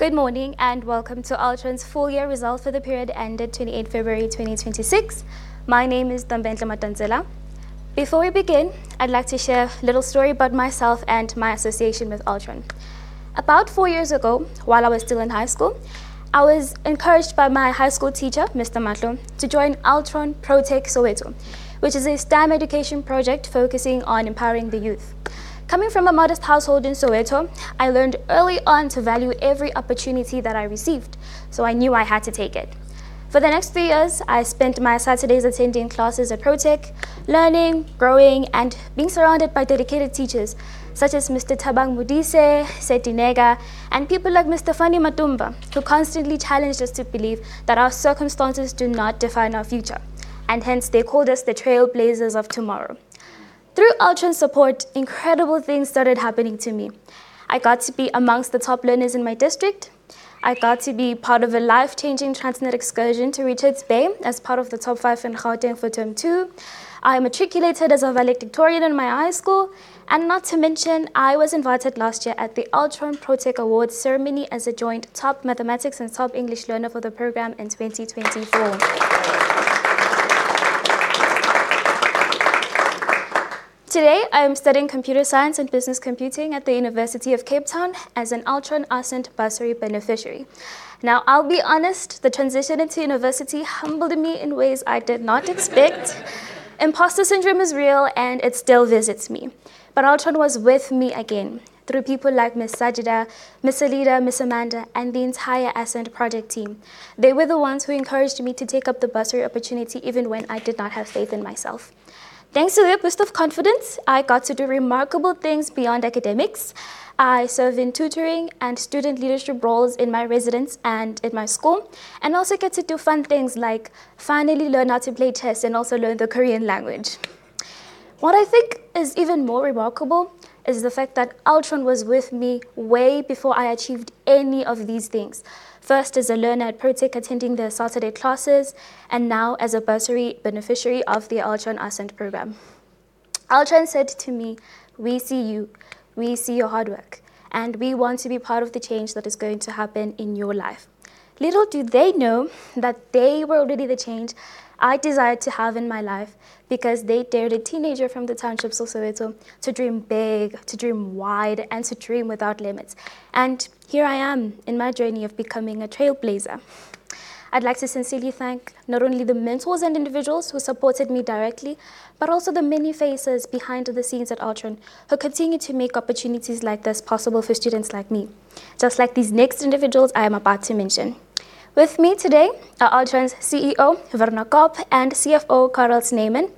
Good morning, and welcome to Altron's full year results for the period ending February 28 2026. My name is Dumbenzo Matanzola. Before we begin, I'd like to share a little story about myself and my association with Altron. About four years ago, while I was still in high school, I was encouraged by my high school teacher, Mr. Masilo, to join Altron PROTEC Soweto, which is a STEM education project focusing on empowering the youth. Coming from a modest household in Soweto, I learned early on to value every opportunity that I received, so I knew I had to take it. For the next three years, I spent my Saturdays attending classes at PROTEC, learning, growing, and being surrounded by dedicated teachers such as Mr. Thabang Modise, Sethu Nega, and people like Mr. Fani Matumba, who constantly challenged us to believe that our circumstances do not define our future. Hence they called us the trailblazers of tomorrow. Through Altron's support, incredible things started happening to me. I got to be amongst the top five learners in my district. I got to be part of a life-changing Transnet excursion to Richards Bay as part of the top five in hard and for term two. I matriculated as a valedictorian in my high school, and not to mention, I was invited last year to the Altron PROTEC Awards Ceremony as a joint top mathematics and top English learner for the program in 2024. Today, I'm studying computer science and business computing at the University of Cape Town as an Altron Ascent Bursary beneficiary. Now, I'll be honest, the transition into university humbled me in ways I did not expect. Imposter syndrome is real, and it still visits me. Altron was with me again, through people like Ms. Sajida, Ms. Alina, Ms. Amanda, and the entire Ascent project team. They were the ones who encouraged me to take up the bursary opportunity even when I did not have faith in myself. Thanks to their boost of confidence, I got to do remarkable things beyond academics. I serve in tutoring and student leadership roles in my residence and in my school, and also get to do fun things like finally learn how to play tennis and also learn the Korean language. What I think is even more remarkable is the fact that Altron was with me way before I achieved any of these things. First, as a learner at PROTEC attending their Saturday classes, and now as a bursary beneficiary of the Altron Ascent Programme. Altron said to me, "We see you, we see your hard work, and we want to be part of the change that is going to happen in your life." Little do they know that they will really be the change I desire to have in my life because they dared a teenager from the townships of Soweto to dream big, to dream wide, and to dream without limits. Here I am in my journey of becoming a trailblazer. I'd like to sincerely thank not only the mentors and individuals who supported me directly, but also the many faces behind the scenes at Altron who continue to make opportunities like this possible for students like me, just like these next individuals I'm about to mention. With me today are Altron's CEO, Werner Kapp, and CFO, Carel Snyman.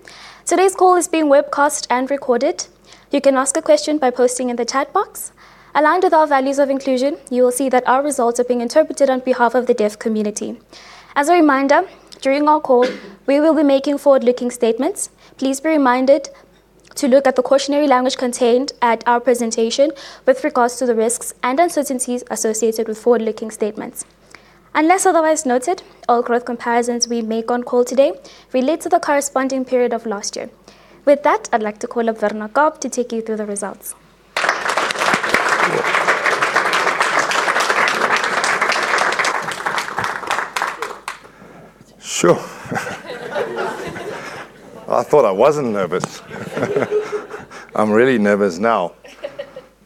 Today's call is being webcast and recorded. You can ask a question by posting in the chat box. Aligned with our values of inclusion, you will see that our results are being interpreted on behalf of the deaf community. As a reminder, during our call, we will be making forward-looking statements. Please be reminded to look at the cautionary language contained at our presentation with regards to the risks and uncertainties associated with forward-looking statements. Unless otherwise noted, all growth comparisons we make on call today relate to the corresponding period of last year. With that, I'd like to call on Werner Kapp to take you through the results. Sure. I thought I wasn't nervous. I'm really nervous now.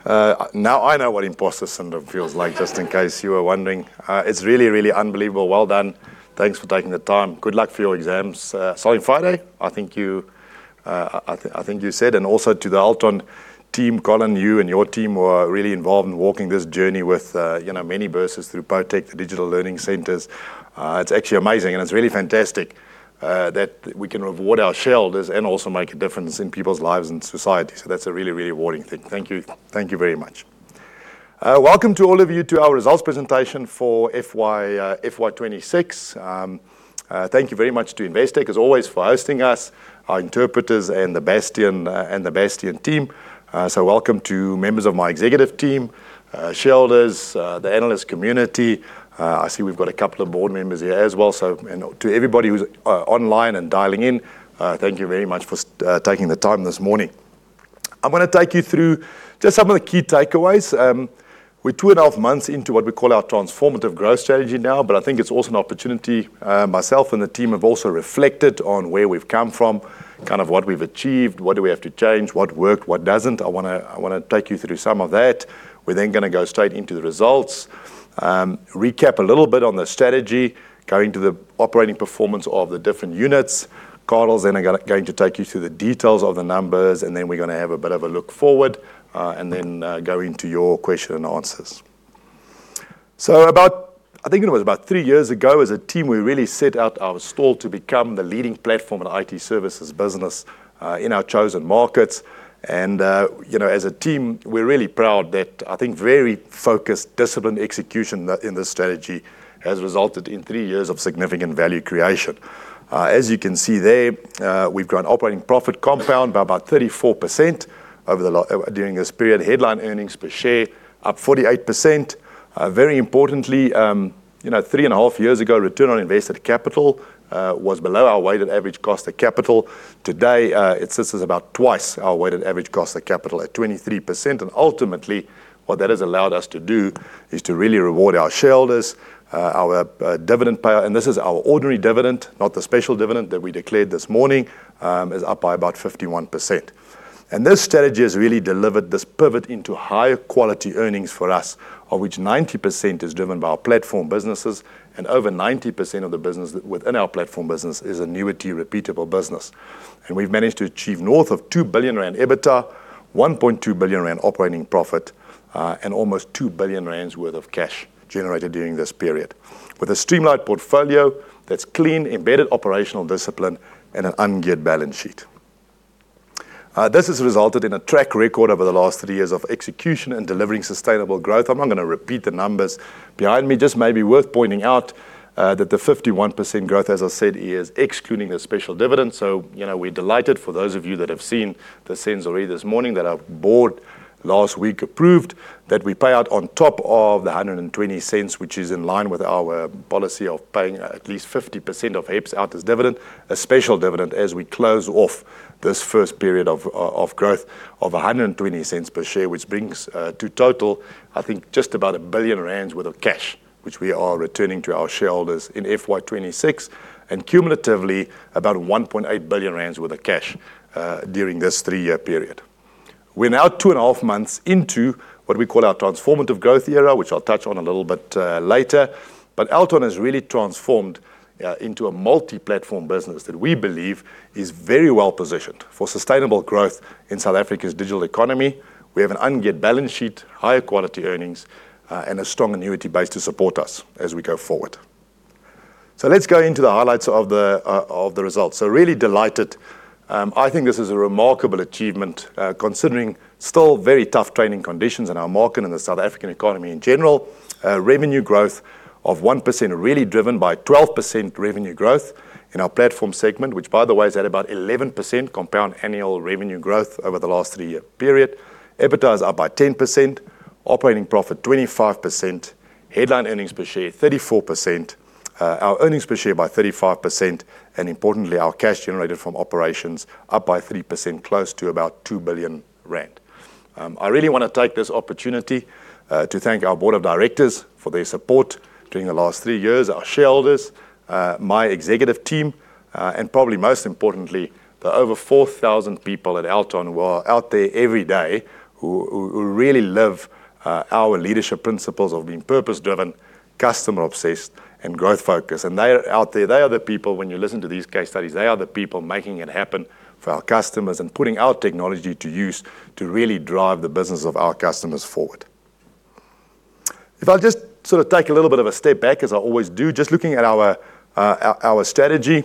Now I know what imposter syndrome feels like, just in case you were wondering. It's really, really unbelievable. Well done. Thanks for taking the time. Good luck for your exams. Solid Friday, I think you said, and also to the Altron team, Collin, you and your team who are really involved in walking this journey with many buses through PROTEC, the digital learning centers. It's actually amazing, and it's really fantastic that we can reward our shareholders and also make a difference in people's lives and society. That's a really rewarding thing. Thank you. Thank you very much. Welcome to all of you to our results presentation for FY 2026. Thank you very much to Investec, as always, for hosting us, our interpreters, and the Bastion team. Welcome to members of my executive team, shareholders, the analyst community. I see we've got a couple of board members here as well. To everybody who's online and dialing in, thank you very much for taking the time this morning. I'm going to take you through just some of the key takeaways. We're two and a half months into what we call our transformative growth strategy now. I think it's also an opportunity. Myself and the team have also reflected on where we've come from, kind of what we've achieved, what do we have to change, what works, what doesn't. I want to take you through some of that. We're going to go straight into the results, recap a little bit on the strategy, go into the operating performance of the different units. Carel is then going to take you through the details of the numbers, and we're going to have a bit of a look forward, and go into your question and answers. I think it was about three years ago, as a team, we really set out our stall to become the leading platform and IT Services business in our chosen markets. As a team, we're really proud that I think very focused, disciplined execution in this strategy has resulted in three years of significant value creation. As you can see there, we've grown operating profit compound by about 34% during this period. Headline earnings per share up 48%. Very importantly, three and a half years ago, return on invested capital was below our weighted average cost of capital. Today, it sits at about twice our weighted average cost of capital at 23%. Ultimately, what that has allowed us to do is to really reward our shareholders, our dividend payer. This is our ordinary dividend, not the special dividend that we declared this morning, is up by about 51%. This strategy has really delivered this pivot into higher quality earnings for us, of which 90% is driven by Platform businesses, and over 90% of the business within our Platform business is annuity repeatable business. We've managed to achieve north of 2 billion rand EBITDA, 1.2 billion rand operating profit, and almost 2 billion rand worth of cash generated during this period. With a streamlined portfolio that's clean, embedded operational discipline, and an ungeared balance sheet. This has resulted in a track record over the last three years of execution and delivering sustainable growth. I'm not going to repeat the numbers behind me. Just maybe worth pointing out that the 51% growth, as I said, is excluding a special dividend. We're delighted for those of you that have seen the SENS already this morning, that our board last week approved, that we pay out on top of the 1.20, which is in line with our policy of paying at least 50% of EPS out as dividend, a special dividend as we close off this first period of growth of 1.20 per share, which brings to total, I think just about 1 billion rand worth of cash, which we are returning to our shareholders in FY 2026, and cumulatively, about 1.8 billion rand worth of cash during this three-year period. We're now two and a half months into what we call our transformative growth era, which I'll touch on a little bit later. Altron has really transformed into a multi-Platform business that we believe is very well-positioned for sustainable growth in South Africa's digital economy. We have an ungeared balance sheet, high quality earnings, and a strong annuity base to support us as we go forward. Let's get into the highlights of the results. Really delighted. I think this is a remarkable achievement, considering still very tough trading conditions in our market, in the South African economy in general. Revenue growth of 1% really driven by 12% revenue growth in our platform segment, which by the way is at about 11% compound annual revenue growth over the last three-year period. EBITDA is up by 10%, operating profit 25%, headline earnings per share 34%, our earnings per share by 35%, and importantly, our cash generated from operations up by 30%, close to about 2 billion rand. I really want to take this opportunity to thank our board of directors for their support during the last three years, our shareholders, my executive team, and probably most importantly, the over 4,000 people at Altron who are out there every day, who really live our leadership principles of being purpose-driven, customer obsessed, and growth focused. They are out there. They are the people, when you listen to these case studies, they are the people making it happen for our customers and putting our technology to use to really drive the business of our customers forward. If I just sort of take a little bit of a step back, as I always do, just looking at our strategy.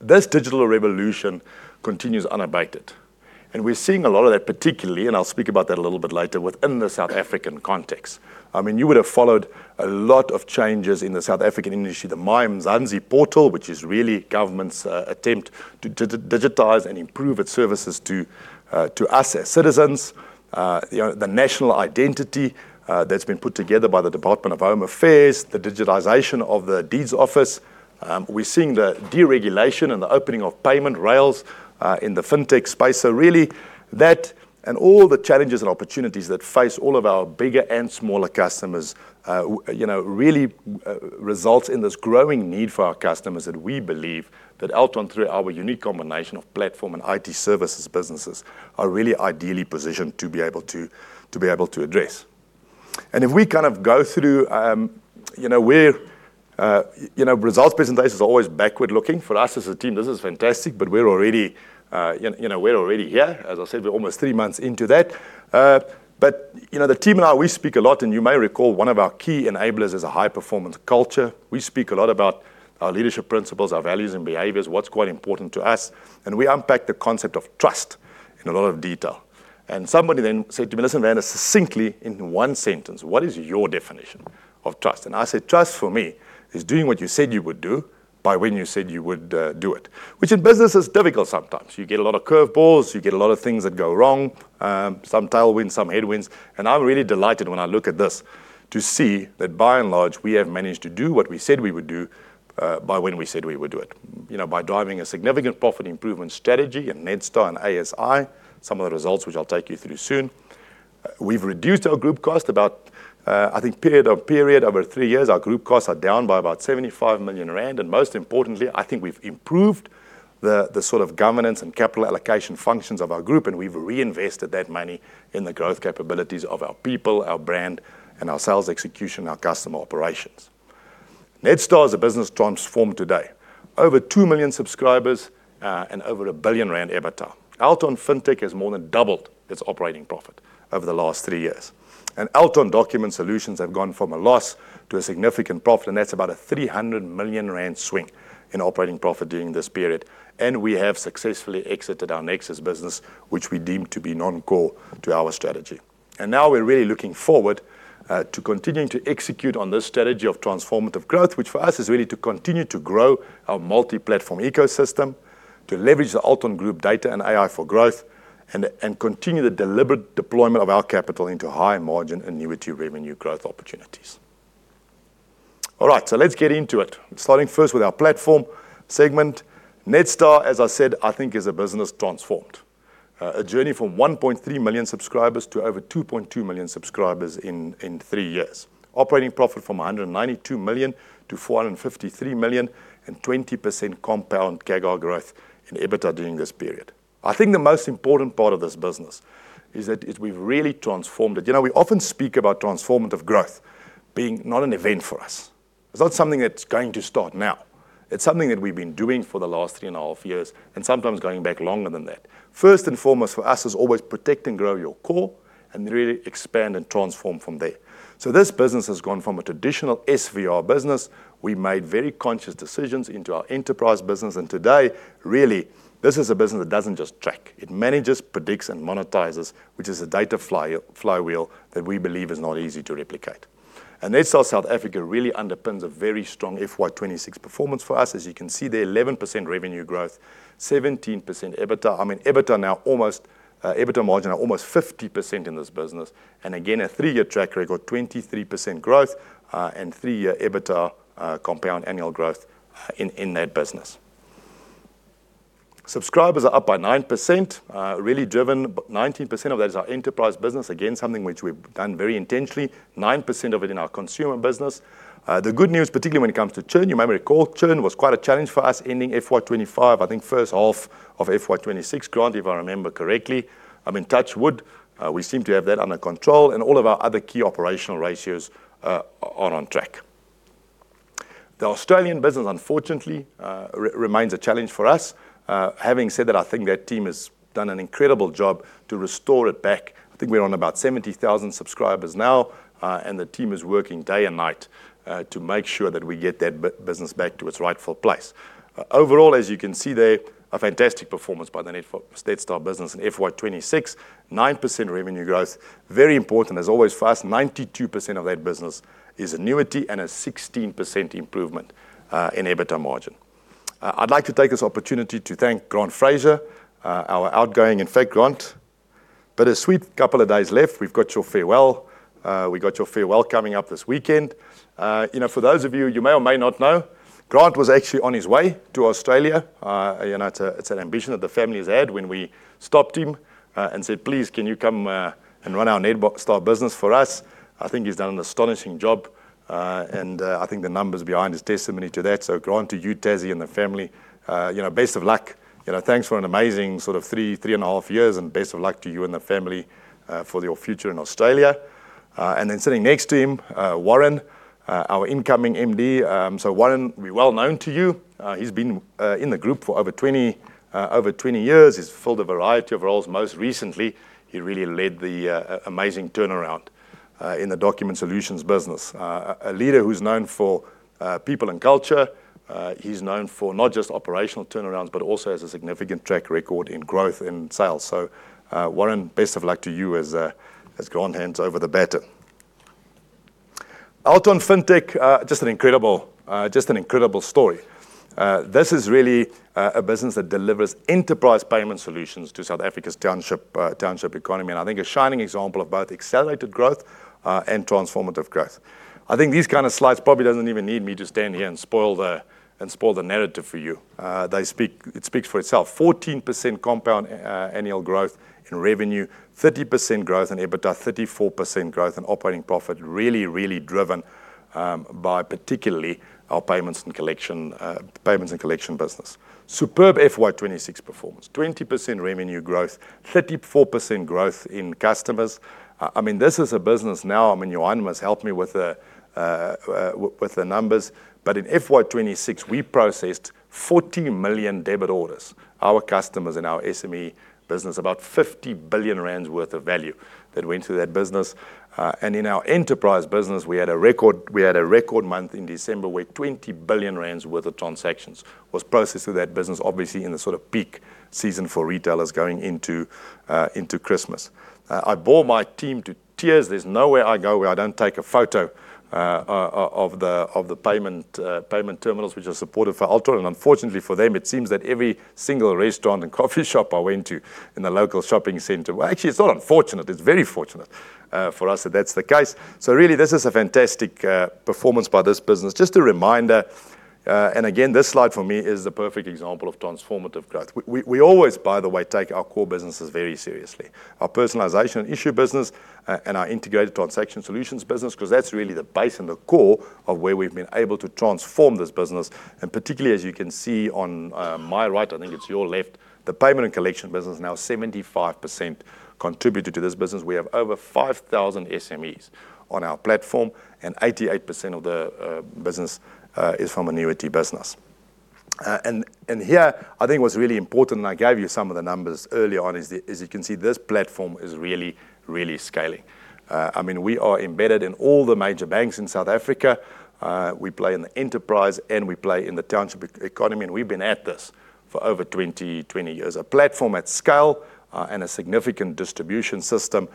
This digital revolution continues unabated. We're seeing a lot of that particularly, and I'll speak about that a little bit later, within the South African context. You would have followed a lot of changes in the South African industry. The MyMzansi portal, which is really government's attempt to digitize and improve its services to us as citizens. The national identity that's been put together by the Department of Home Affairs, the digitization of the deeds office. We're seeing the deregulation and the opening of payment rails in the fintech space. Really, that and all the challenges and opportunities that face all of our bigger and smaller customers really result in this growing need for our customers that we believe that Altron, through our unique combination of platform and IT Services businesses, are really ideally positioned to be able to address. If we kind of go through, results presentation is always backward-looking. For us as a team, this is fantastic, but we're already here. As I said, we're almost three months into that. The team and I, we speak a lot, and you may recall one of our key enablers is a high-performance culture. We speak a lot about our leadership principles, our values and behaviors, what's quite important to us. We unpack the concept of trust in a lot of detail. Somebody then said to me, they said, "Werner, succinctly in one sentence, what is your definition of trust?" I said, "Trust for me is doing what you said you would do by when you said you would do it." Which in business is difficult sometimes. You get a lot of curveballs. You get a lot of things that go wrong. Some tailwinds, some headwinds. I'm really delighted when I look at this to see that by and large, we have managed to do what we said we would do, by when we said we would do it. By driving a significant profit improvement strategy at Netstar and ASI, some of the results which I'll take you through soon. We've reduced our group cost about, I think period-over-period, over three years, our group costs are down by about 75 million rand, and most importantly, I think we've improved the sort of governance and capital allocation functions of our group, and we've reinvested that money in the growth capabilities of our people, our brand, and our sales execution, our customer operations. Netstar is a business transformed today. Over two million subscribers, and over 1 billion rand EBITDA. Altron FinTech has more than doubled its operating profit over the last three years. Altron Document Solutions have gone from a loss to a significant profit, that's about a 300 million rand swing in operating profit during this period. We have successfully exited our Altron Nexus business, which we deem to be non-core to our strategy. Now we're really looking forward to continuing to execute on this strategy of transformative growth, which for us is really to continue to grow our multi-platform ecosystem, to leverage Altron Group data and AI for growth and continue the deliberate deployment of our capital into high margin annuity revenue growth opportunities. All right, let's get into it. Starting first with our platform segment. Netstar, as I said, I think is a business transformed. A journey from 1.3 million subscribers to over 2.2 million subscribers in three years. Operating profit from 192 million-453 million, and 20% compound CAGR growth in EBITDA during this period. I think the most important part of this business is that we've really transformed it. We often speak about transformative growth being not an event for us. It's not something that's going to start now. It's something that we've been doing for the last three and a half years, and sometimes going back longer than that. First and foremost for us is always protect and grow your core and really expand and transform from there. This business has gone from a traditional SVR business. We made very conscious decisions into our enterprise business, and today, really, this is a business that doesn't just track. It manages, predicts, and monetizes, which is a data flywheel that we believe is not easy to replicate. Netstar South Africa really underpins a very strong FY 2026 performance for us. As you can see there, 11% revenue growth, 17% EBITDA. I mean, EBITDA margin almost 50% in this business. Again, a three-year track record, 23% growth, and three-year EBITDA compound annual growth in that business. Subscribers are up by 9%, really driven, 90% of that is our enterprise business, again, something which we've done very intentionally, 9% of it in our consumer business. The good news, particularly when it comes to churn, you may recall churn was quite a challenge for us ending FY 2025, I think first half of FY 2026, Grant, if I remember correctly. I mean, touch wood, we seem to have that under control, and all of our other key operational ratios are on track. The Australian business, unfortunately, remains a challenge for us. Having said that, I think that team has done an incredible job to restore it back. I think we're on about 70,000 subscribers now, and the team is working day and night to make sure that we get that business back to its rightful place. Overall, as you can see there, a fantastic performance by the Netstar business in FY 2026, 9% revenue growth. Very important, as always, for us, 92% of that business is annuity and a 16% improvement in EBITDA margin. I'd like to take this opportunity to thank Grant Fraser, our outgoing, in fact, Grant, bittersweet. A couple of days left. We've got your farewell coming up this weekend. For those of you who may or may not know, Grant was actually on his way to Australia. It's an ambition that the family's had when we stopped him and said, "Please, can you come and run our Netstar business for us?" I think he's done an astonishing job, and I think the numbers behind is testimony to that. Grant, to you, Tazzie, and the family, best of luck. Thanks for an amazing three and a half years, and best of luck to you and the family for your future in Australia. Sitting next to him, Warren, our incoming MD. Warren, will be well known to you. He's been in the group for over 20 years. He's filled a variety of roles. Most recently, he really led the amazing turnaround in the Document Solutions business. A leader who's known for people and culture. He's known for not just operational turnaround, but also has a significant track record in growth and sales. Warren, best of luck to you as Grant hands over the baton. Altron FinTech, just an incredible story. This is really a business that delivers enterprise payment solutions to South Africa's township economy, and I think a shining example of both accelerated growth and transformative growth. I think these kind of slides probably doesn't even need me to stand here and spoil the narrative for you. It speaks for itself. 14% compound annual growth in revenue, 30% growth in EBITDA, 34% growth in operating profit, really driven by particularly our payments and collection business. Superb FY 2026 performance. 20% revenue growth, 34% growth in customers. I mean, this is a business now, I mean, Johan must help me with the numbers, but in FY 2026, we processed 40 million debit orders. Our customers and our SME business, about 50 billion rand worth of value that went to that business. In our enterprise business, we had a record month in December where 20 billion rand worth of transactions was processed through that business, obviously in a sort of peak season for retailers going into Christmas. I bore my team to tears. There's nowhere I go where I don't take a photo of the payment terminals which are supported for Altron. Unfortunately for them, it seems that every single restaurant and coffee shop I went to in the local shopping center. Well, actually, it's not unfortunate. It's very fortunate for us that that's the case. Really, this is a fantastic performance by this business. Just a reminder, and again, this slide for me is the perfect example of transformative growth. We always, by the way, take our core businesses very seriously. Our personalization issue business and our integrated transaction solutions business, because that's really the base and the core of where we've been able to transform this business. Particularly, as you can see on my right, I think it's your left, the payment and collection business now 75% contributed to this business. We have over 5,000 SMEs on our platform, 88% of the business is from annuity business. Here, I think what's really important, and I gave you some of the numbers early on, is as you can see, this platform is really, really scaling. I mean, we are embedded in all the major banks in South Africa. We play in the enterprise, and we play in the township economy, and we've been at this for over 20 years. A platform at scale and a significant distribution system.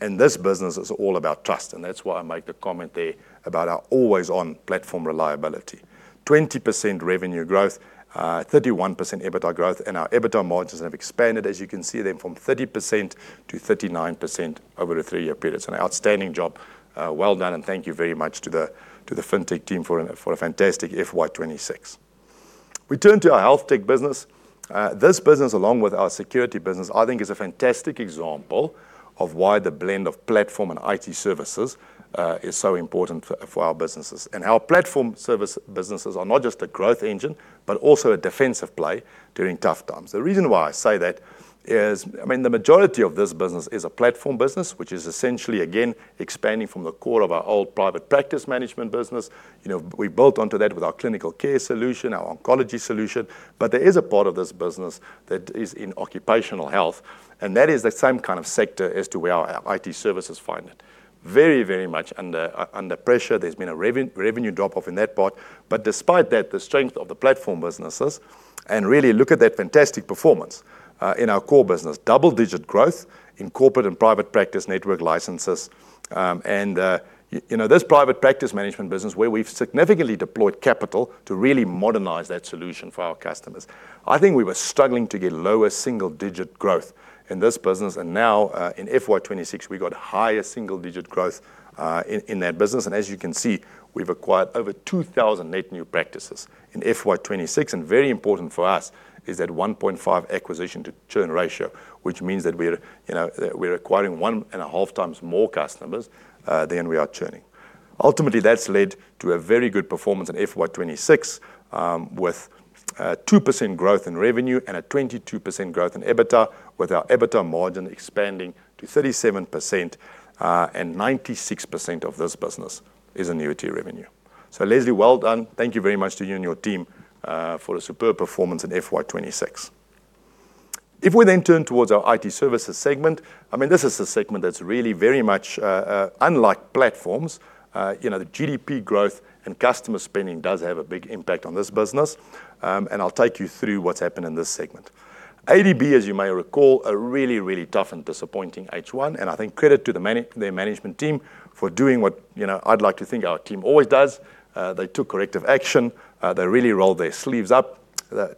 This business is all about trust, and that's why I make a comment there about our always-on platform reliability. 20% revenue growth, 31% EBITDA growth, and our EBITDA margins have expanded, as you can see there, from 30%-39% over the three-year period. An outstanding job. Well done, and thank you very much to the Altron FinTech team for a fantastic FY 2026. We turn to our Altron HealthTech business. This business, along with our Altron Security business, I think, is a fantastic example of why the blend of platform and IT Services is so important for our businesses. Our platform service businesses are not just a growth engine, but also a defensive play during tough times. The reason why I say that is, the majority of this business is a Platform business, which is essentially, again, expanding from the core of our old private practice management business. We built onto that with our clinical care solution, our oncology solution. There is a part of this business that is in occupational health, and that is the same kind of sector as to where our IT Services find very much under pressure. There's been a revenue drop-off in that part. Despite that, the strength of the Platform businesses, and really look at that fantastic performance in our core business. Double-digit growth in corporate and private practice network licenses. This private practice management business, where we've significantly deployed capital to really modernize that solution for our customers. I think we were struggling to get lower single-digit growth in this business. Now in FY 2026, we've got higher single-digit growth in that business. As you can see, we've acquired over 2,008 new practices in FY 2026. Very important for us is that 1.5 acquisition to churn ratio, which means that we're acquiring 1.5x more customers than we are churning. Ultimately, that's led to a very good performance in FY 2026, with 2% growth in revenue and a 22% growth in EBITDA, with our EBITDA margin expanding to 37%. 96% of this business is annuity revenue. Leslie, well done. Thank you very much to you and your team for a superb performance in FY 2026. If we then turn towards our IT Services segment, this is a segment that's really very much unlike platforms. The GDP growth and customer spending does have a big impact on this business, and I'll take you through what's happened in this segment. ADB, as you may recall, a really tough and disappointing H1, and I think credit to their management team for doing what I'd like to think our team always does. They took corrective action. They really rolled their sleeves up,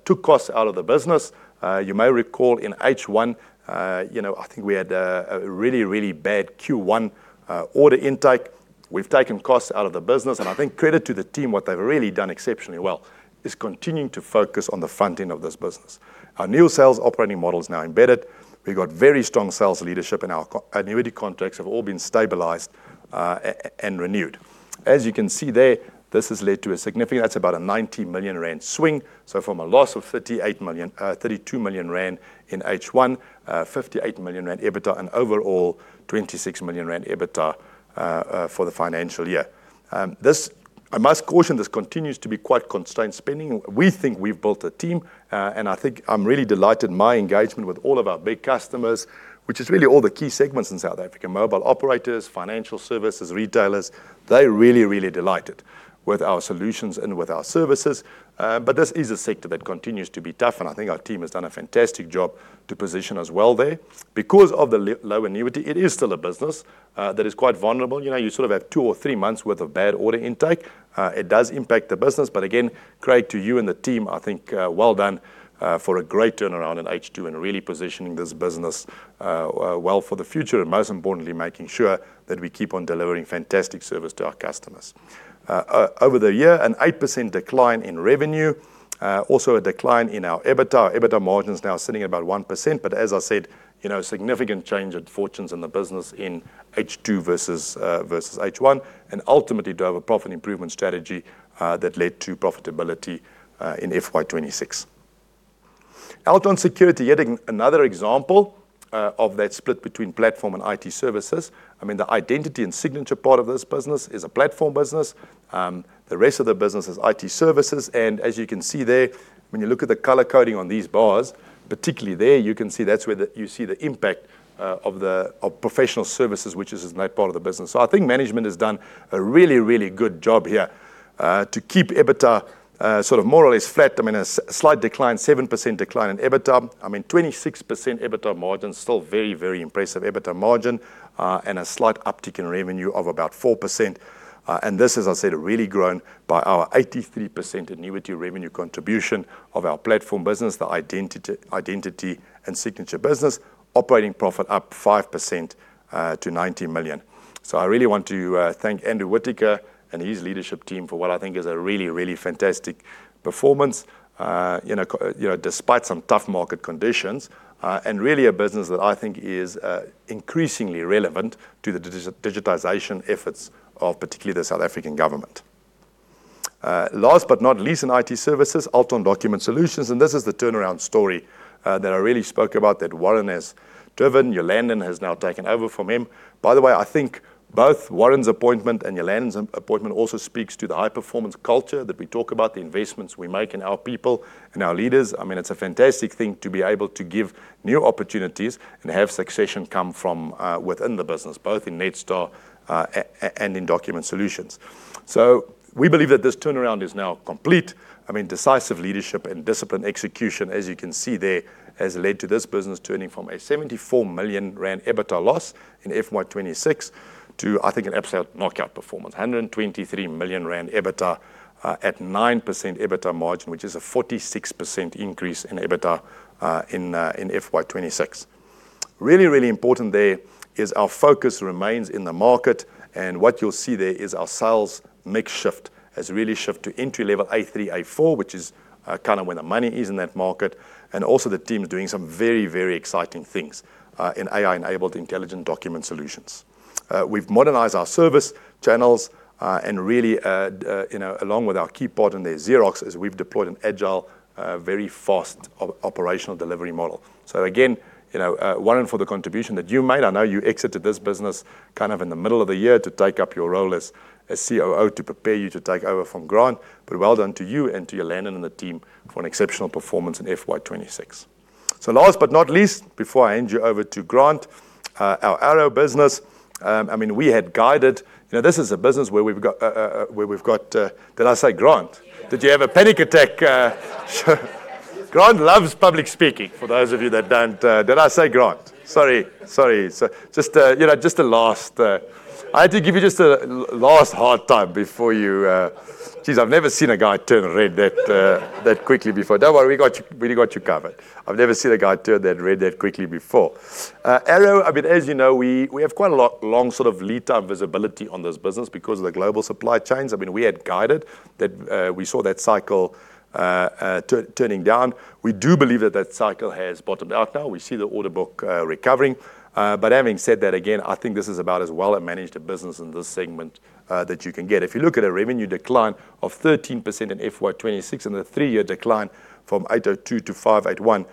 took costs out of the business. You may recall in H1, I think we had a really bad Q1 order intake. We've taken costs out of the business, and I think credit to the team, what they've really done exceptionally well is continuing to focus on the front end of this business. Our new sales operating model is now embedded. We've got very strong sales leadership, and our annuity contracts have all been stabilized and renewed. As you can see there, this has led to a significant, about a 90 million rand swing. From a loss of 32 million rand in H1, 58 million rand EBITDA and overall 26 million rand EBITDA for the financial year. I must caution this continues to be quite constrained spending. We think we've built a team, and I think I'm really delighted. My engagement with all of our big customers, which is really all the key segments in South Africa, mobile operators, financial services, retailers, they're really delighted with our solutions and with our services. This is a sector that continues to be tough, and I think our team has done a fantastic job to position us well there. Because of the low annuity, it is still a business that is quite vulnerable. You sort of have two or three months worth of bad order intake. It does impact the business, but again, credit to you and the team, I think well done for a great turnaround in H2 and really positioning this business well for the future. And most importantly, making sure that we keep on delivering fantastic service to our customers. Over the year, an 8% decline in revenue. Also, a decline in our EBITDA. EBITDA margin is now sitting about 1%, but as I said, significant change in fortunes in the business in H2 versus H1, and ultimately drove a profit improvement strategy that led to profitability in FY 2026. Altron Security, yet another example of that split between platform and IT Services. The identity and signature part of this business is a Platform business. The rest of the business is IT Services. As you can see there, when you look at the color coding on these bars, particularly there, you can see that's where you see the impact of professional services, which is the main part of the business. I think management has done a really good job here to keep EBITDA sort of more or less flat. A slight decline, 7% decline in EBITDA. 26% EBITDA margin, still very impressive EBITDA margin, a slight uptick in revenue of about 4%. This, as I said, really grown by our 83% annuity revenue contribution of our Platform business, the identity and signature business. Operating profit up 5% to 90 million. I really want to thank Andrew Whittaker and his leadership team for what I think is a really fantastic performance, despite some tough market conditions. Really a business that I think is increasingly relevant to the digitization efforts of particularly the South African government. Last but not least, in IT Services, Altron Document Solutions, and this is the turnaround story that I already spoke about that Warren has driven. Yolanden has now taken over from him. By the way, I think both Warren's appointment and Yolanden's appointment also speaks to the high-performance culture that we talk about, the investments we make in our people and our leaders. It's a fantastic thing to be able to give new opportunities and have succession come from within the business, both in Netstar and in Document Solutions. We believe that this turnaround is now complete. Decisive leadership and discipline execution, as you can see there, has led to this business turning from a 74 million rand EBITDA loss in FY 2026 to, I think, an absolute knockout performance, 123 million rand EBITDA at 9% EBITDA margin, which is a 46% increase in EBITDA in FY 2026. Really important there is our focus remains in the market, and what you'll see there is our sales mix shift has really shifted to entry level A3, A4, which is where the money is in that market. The team is doing some very exciting things in AI-enabled intelligent document solutions. We've modernized our service channels, along with our key partner there, Xerox, is we've deployed an agile, very fast operational delivery model. Again, wonderful contribution that you made. I know you exited this business in the middle of the year to take up your role as a COO to prepare you to take over from Grant, but well done to you and to Yolanden and the team for an exceptional performance in FY 2026. Last but not least, before I hand you over to Grant, our Arrow business. We had guided. Did I say Grant? Did you have a panic attack? Grant loves public speaking, for those of you that don't Did I say Grant? Sorry. I had to give you just a last hard time before you. Geez, I've never seen a guy turn red that quickly before. Don't worry, we got you covered. I've never seen a guy turn that red that quickly before. Arrow, as you know, we have quite a long lead time visibility on this business because of the global supply chains. We had guided that we saw that cycle turning down. We do believe that that cycle has bottomed out now. We see the order book recovering. Having said that, again, I think this is about as well a managed a business in this segment that you can get. If you look at a revenue decline of 13% in FY 2026 and a three-year decline from 802- 581,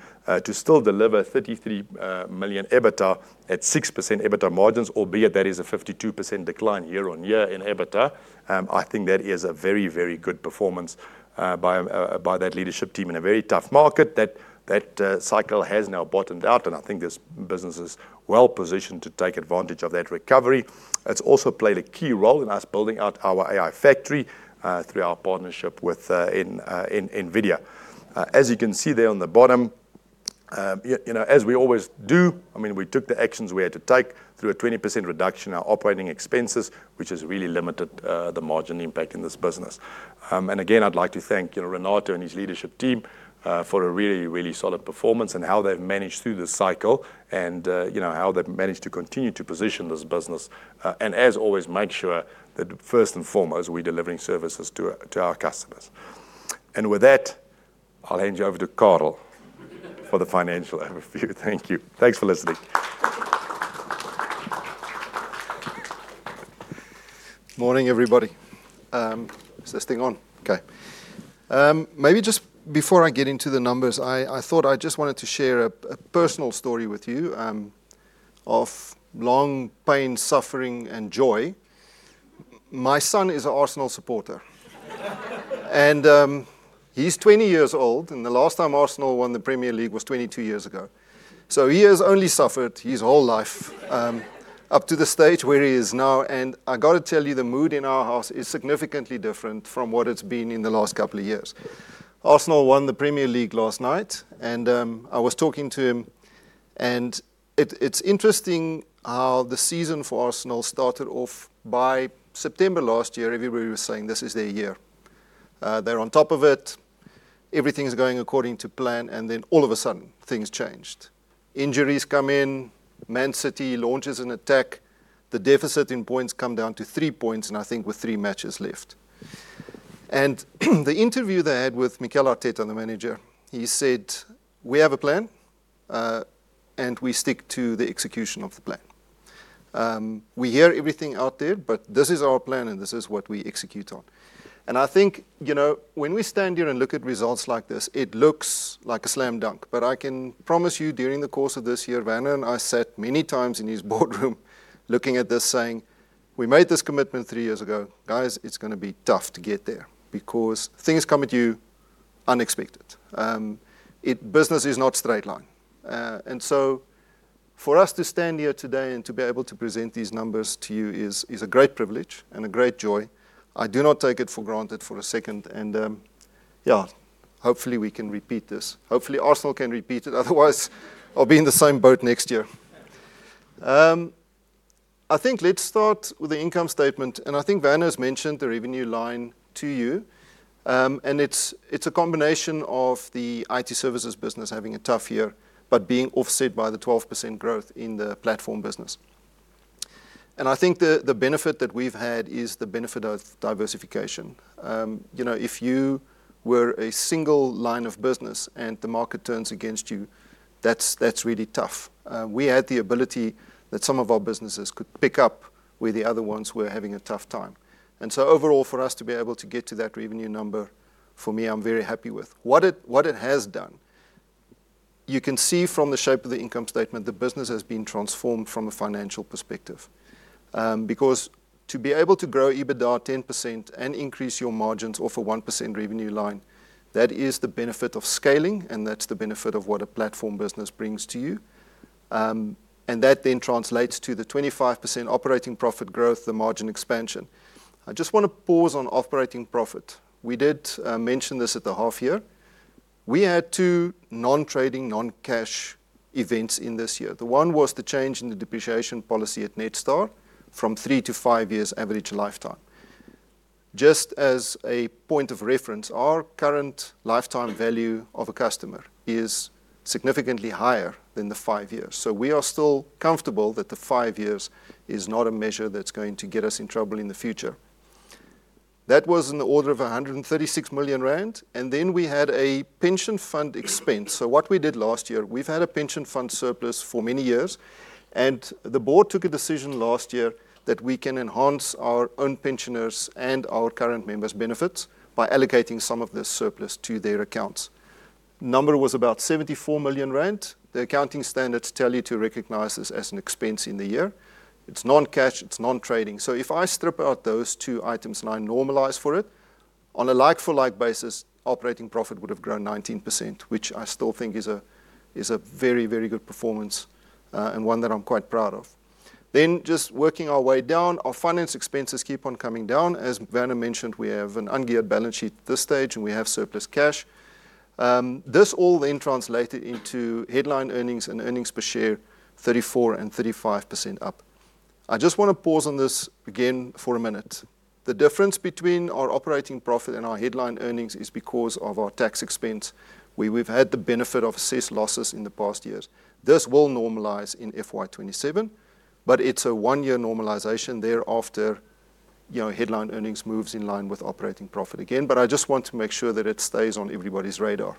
to still deliver 33 million EBITDA at 6% EBITDA margins, albeit that is a 52% decline year-on-year in EBITDA, I think that is a very good performance by that leadership team in a very tough market. That cycle has now bottomed up, and I think this business is well-positioned to take advantage of that recovery. It's also played a key role in us building out our AI Factory through our partnership with NVIDIA. As you can see there on the bottom, as we always do, we took the actions we had to take through a 20% reduction in our operating expenses, which has really limited the margin impact in this business. Again, I'd like to thank Renato and his leadership team for a really solid performance and how they've managed through the cycle, and how they've managed to continue to position this business. As always, made sure that first and foremost, we're delivering services to our customers. With that, I'll hand you over to Carel for the financial overview. Thank you. Thanks for listening. Morning, everybody. Is this thing on? Okay. Maybe just before I get into the numbers, I thought I just wanted to share a personal story with you of long pain, suffering, and joy. My son is an Arsenal supporter. He's 20 years old, and the last time Arsenal won the Premier League was 22 years ago. He has only suffered his whole life up to the stage where he is now. I got to tell you, the mood in our house is significantly different from what it's been in the last couple of years. Arsenal won the Premier League last night, and I was talking to him, and it's interesting how the season for Arsenal started off. By September last year, everybody was saying, "This is their year." They're on top of it. Everything's going according to plan, and then all of a sudden, things changed. Injuries come in, Man City launches an attack. The deficit in points come down to three points. I think with three matches left. The interview they had with Mikel Arteta, the Manager, he said, "We have a plan, and we stick to the execution of the plan. We hear everything out there, but this is our plan, and this is what we execute on." I think, when we stand here and look at results like this, it looks like a slam dunk. I can promise you, during the course of this year, Werner and I sat many times in his boardroom looking at this saying, "We made this commitment three years ago. Guys, it's going to be tough to get there," because things come at you unexpected. Business is not straight line. For us to stand here today and to be able to present these numbers to you is a great privilege and a great joy. I do not take it for granted for a second. Yeah, hopefully, we can repeat this. Hopefully, Arsenal can repeat it. Otherwise, I'll be in the same boat next year. I think let's start with the income statement. I think Werner's mentioned the revenue line to you. It's a combination of the IT Services business having a tough year, but being offset by the 12% growth in the Platform business. I think that the benefit that we've had is the benefit of diversification. If you were a single line of business and the market turns against you, that's really tough. We had the ability that some of our businesses could pick up where the other ones were having a tough time. Overall, for us to be able to get to that revenue number, for me, I'm very happy with. What it has done, you can see from the shape of the income statement, the business has been transformed from a financial perspective. Because to be able to grow EBITDA 10% and increase your margins off a 1% revenue line, that is the benefit of scaling, and that's the benefit of what a Platform business brings to you. That then translates to the 25% operating profit growth, the margin expansion. I just want to pause on operating profit. We did mention this at the half year. We had two non-trading, non-cash events in this year. The one was the change in the depreciation policy at Netstar from three to five years average lifetime. Just as a point of reference, our current lifetime value of a customer is significantly higher than the five years. We are still comfortable that the five years is not a measure that's going to get us in trouble in the future. That was in the order of 136 million rand. Then we had a pension fund expense. What we did last year, we've had a pension fund surplus for many years, and the board took a decision last year that we can enhance our own pensioners' and our current members' benefits by allocating some of this surplus to their accounts. Number was about 74 million rand. The accounting standards tell you to recognize this as an expense in the year. It's non-cash, it's non-trading. If I strip out those two items and I normalize for it, on a like-for-like basis, operating profit would have grown 19%, which I still think is a very good performance, and one that I'm quite proud of. Just working our way down, our finance expenses keep on coming down. As Werner mentioned, we have an ungeared balance sheet at this stage, and we have surplus cash. This all then translated into headline earnings and earnings per share 34% and 35% up. I just want to pause on this again for a minute. The difference between our operating profit and our headline earnings is because of our tax expense, where we've had the benefit of assessed losses in the past years. This will normalize in FY 2027, but it's a one-year normalization. Thereafter, headline earnings moves in line with operating profit again. I just want to make sure that it stays on everybody's radar.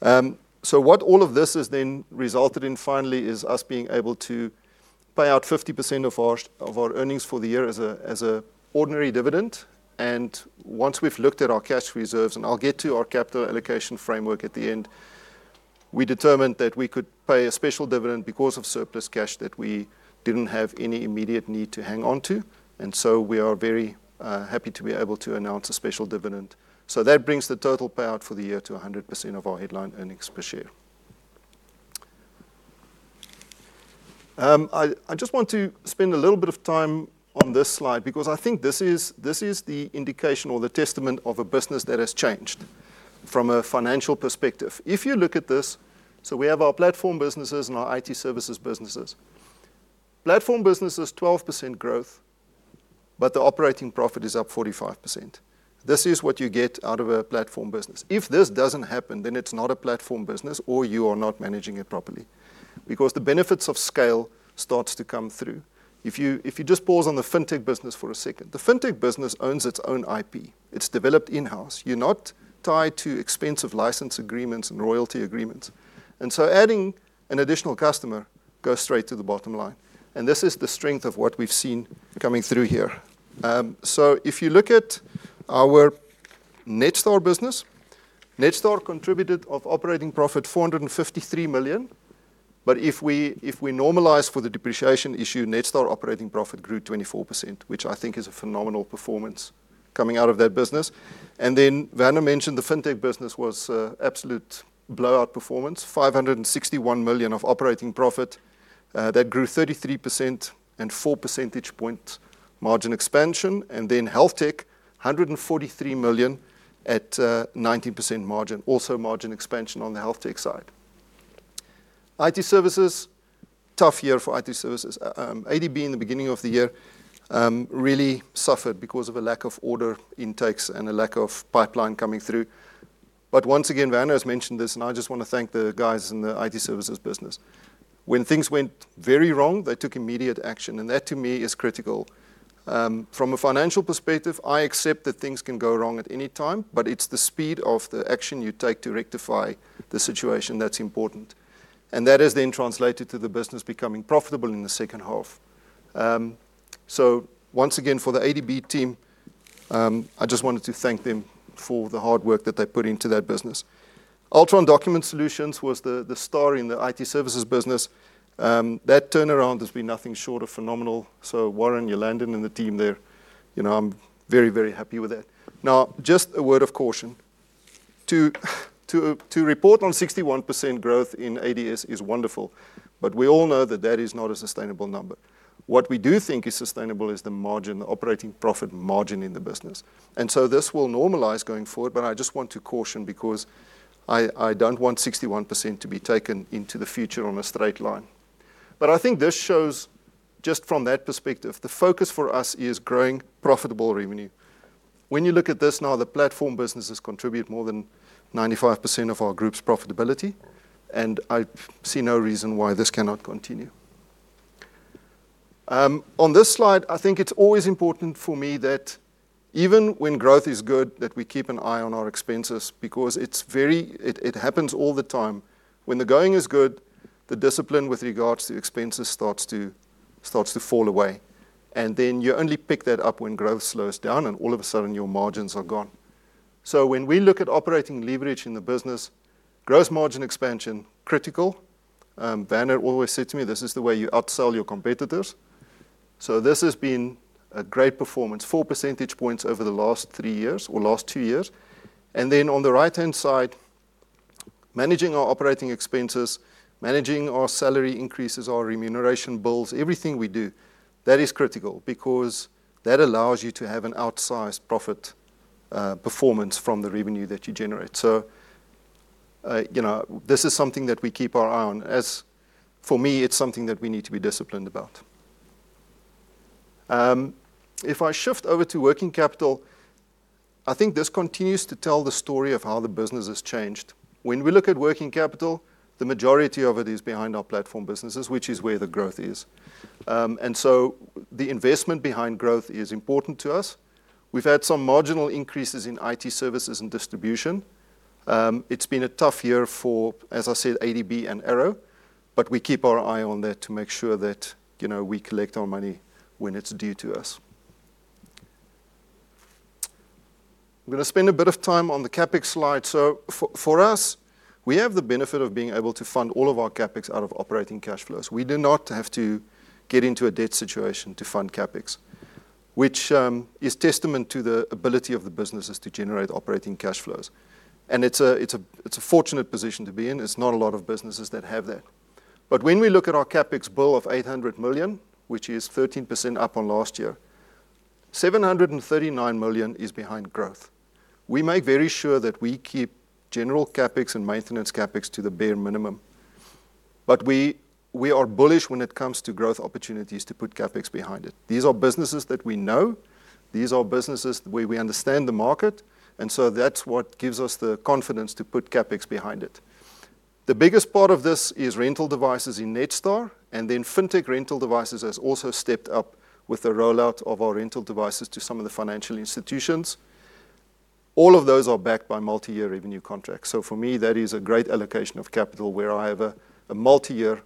What all of this has then resulted in finally is us being able to pay out 50% of our earnings for the year as an ordinary dividend. Once we've looked at our cash reserves, and I'll get to our capital allocation framework at the end, we determined that we could pay a special dividend because of surplus cash that we didn't have any immediate need to hang onto. We are very happy to be able to announce a special dividend. That brings the total payout for the year to 100% of our headline earnings per share. I just want to spend a little bit of time on this slide because I think this is the indication or the testament of a business that has changed from a financial perspective. If you look at this, so we have our Platform businesses and our IT Services businesses. Platform business is 12% growth, but the operating profit is up 45%. This is what you get out of a Platform business. If this doesn't happen, then it's not a Platform business, or you are not managing it properly, because the benefits of scale starts to come through. If you just pause on the FinTech business for a second, the FinTech business owns its own IP. It's developed in-house. You're not tied to expensive license agreements and royalty agreements. Adding an additional customer goes straight to the bottom line. This is the strength of what we've seen coming through here. If you look at our Netstar business, Netstar contributed of operating profit 453 million. If we normalize for the depreciation issue, Netstar operating profit grew 24%, which I think is a phenomenal performance coming out of that business. Werner mentioned the FinTech business was absolute blowout performance, 561 million of operating profit. That grew 33% and four percentage points margin expansion. HealthTech, 143 million at 90% margin, also margin expansion on the HealthTech side. IT Services, tough year for IT Services. ADB in the beginning of the year, really suffered because of a lack of order intakes and a lack of pipeline coming through. Once again, Werner's mentioned this, and I just want to thank the guys in the IT Services business. When things went very wrong, they took immediate action, and that to me is critical. From a financial perspective, I accept that things can go wrong at any time, but it's the speed of the action you take to rectify the situation that's important. That has then translated to the business becoming profitable in the second half. Once again, for the ADB team, I just wanted to thank them for the hard work that they put into that business. Altron Document Solutions was the star in the IT Services business. That turnaround has been nothing short of phenomenal. Warren, Yolanden and the team there, I'm very happy with that. Now, just a word of caution. To report on 61% growth in ADS is wonderful, we all know that that is not a sustainable number. What we do think is sustainable is the margin, the operating profit margin in the business. This will normalize going forward, I just want to caution because I don't want 61% to be taken into the future on a straight line. I think this shows just from that perspective, the focus for us is growing profitable revenue. When you look at this now, the Platform businesses contribute more than 95% of our group's profitability, I see no reason why this cannot continue. On this slide, I think it's always important for me that even when growth is good, that we keep an eye on our expenses because it happens all the time. When the going is good, the discipline with regards to expenses starts to fall away. You only pick that up when growth slows down, and all of a sudden, your margins are gone. When we look at operating leverage in the business, gross margin expansion, critical. Werner always said to me, "This is the way you upsell your competitors." This has been a great performance, four percentage points over the last three years or last two years. On the right-hand side, managing our operating expenses, managing our salary increases, our remuneration bills, everything we do, that is critical because that allows you to have an outsized profit performance from the revenue that you generate. This is something that we keep our eye on. As for me, it's something that we need to be disciplined about. If I shift over to working capital, I think this continues to tell the story of how the business has changed. When we look at working capital, the majority of it is behind our Platform businesses, which is where the growth is. The investment behind growth is important to us. We've had some marginal increases in IT Services and distribution. It's been a tough year for, as I said, ADB and Arrow, but we keep our eye on that to make sure that, we collect our money when it's due to us. I'm going to spend a bit of time on the CapEx slide. For us, we have the benefit of being able to fund all of our CapEx out of operating cash flows. We do not have to get into a debt situation to fund CapEx, which is testament to the ability of the businesses to generate operating cash flows. It's a fortunate position to be in. There's not a lot of businesses that have that. When we look at our CapEx bill of 800 million, which is 13% up on last year, 739 million is behind growth. We make very sure that we keep general CapEx and maintenance CapEx to the bare minimum. We are bullish when it comes to growth opportunities to put CapEx behind it. These are businesses that we know. These are businesses where we understand the market, that's what gives us the confidence to put CapEx behind it. The biggest part of this is rental devices in Netstar, then FinTech rental devices has also stepped up with the rollout of our rental devices to some of the financial institutions. All of those are backed by multi-year revenue contracts. For me, that is a great allocation of capital where I have a multi-year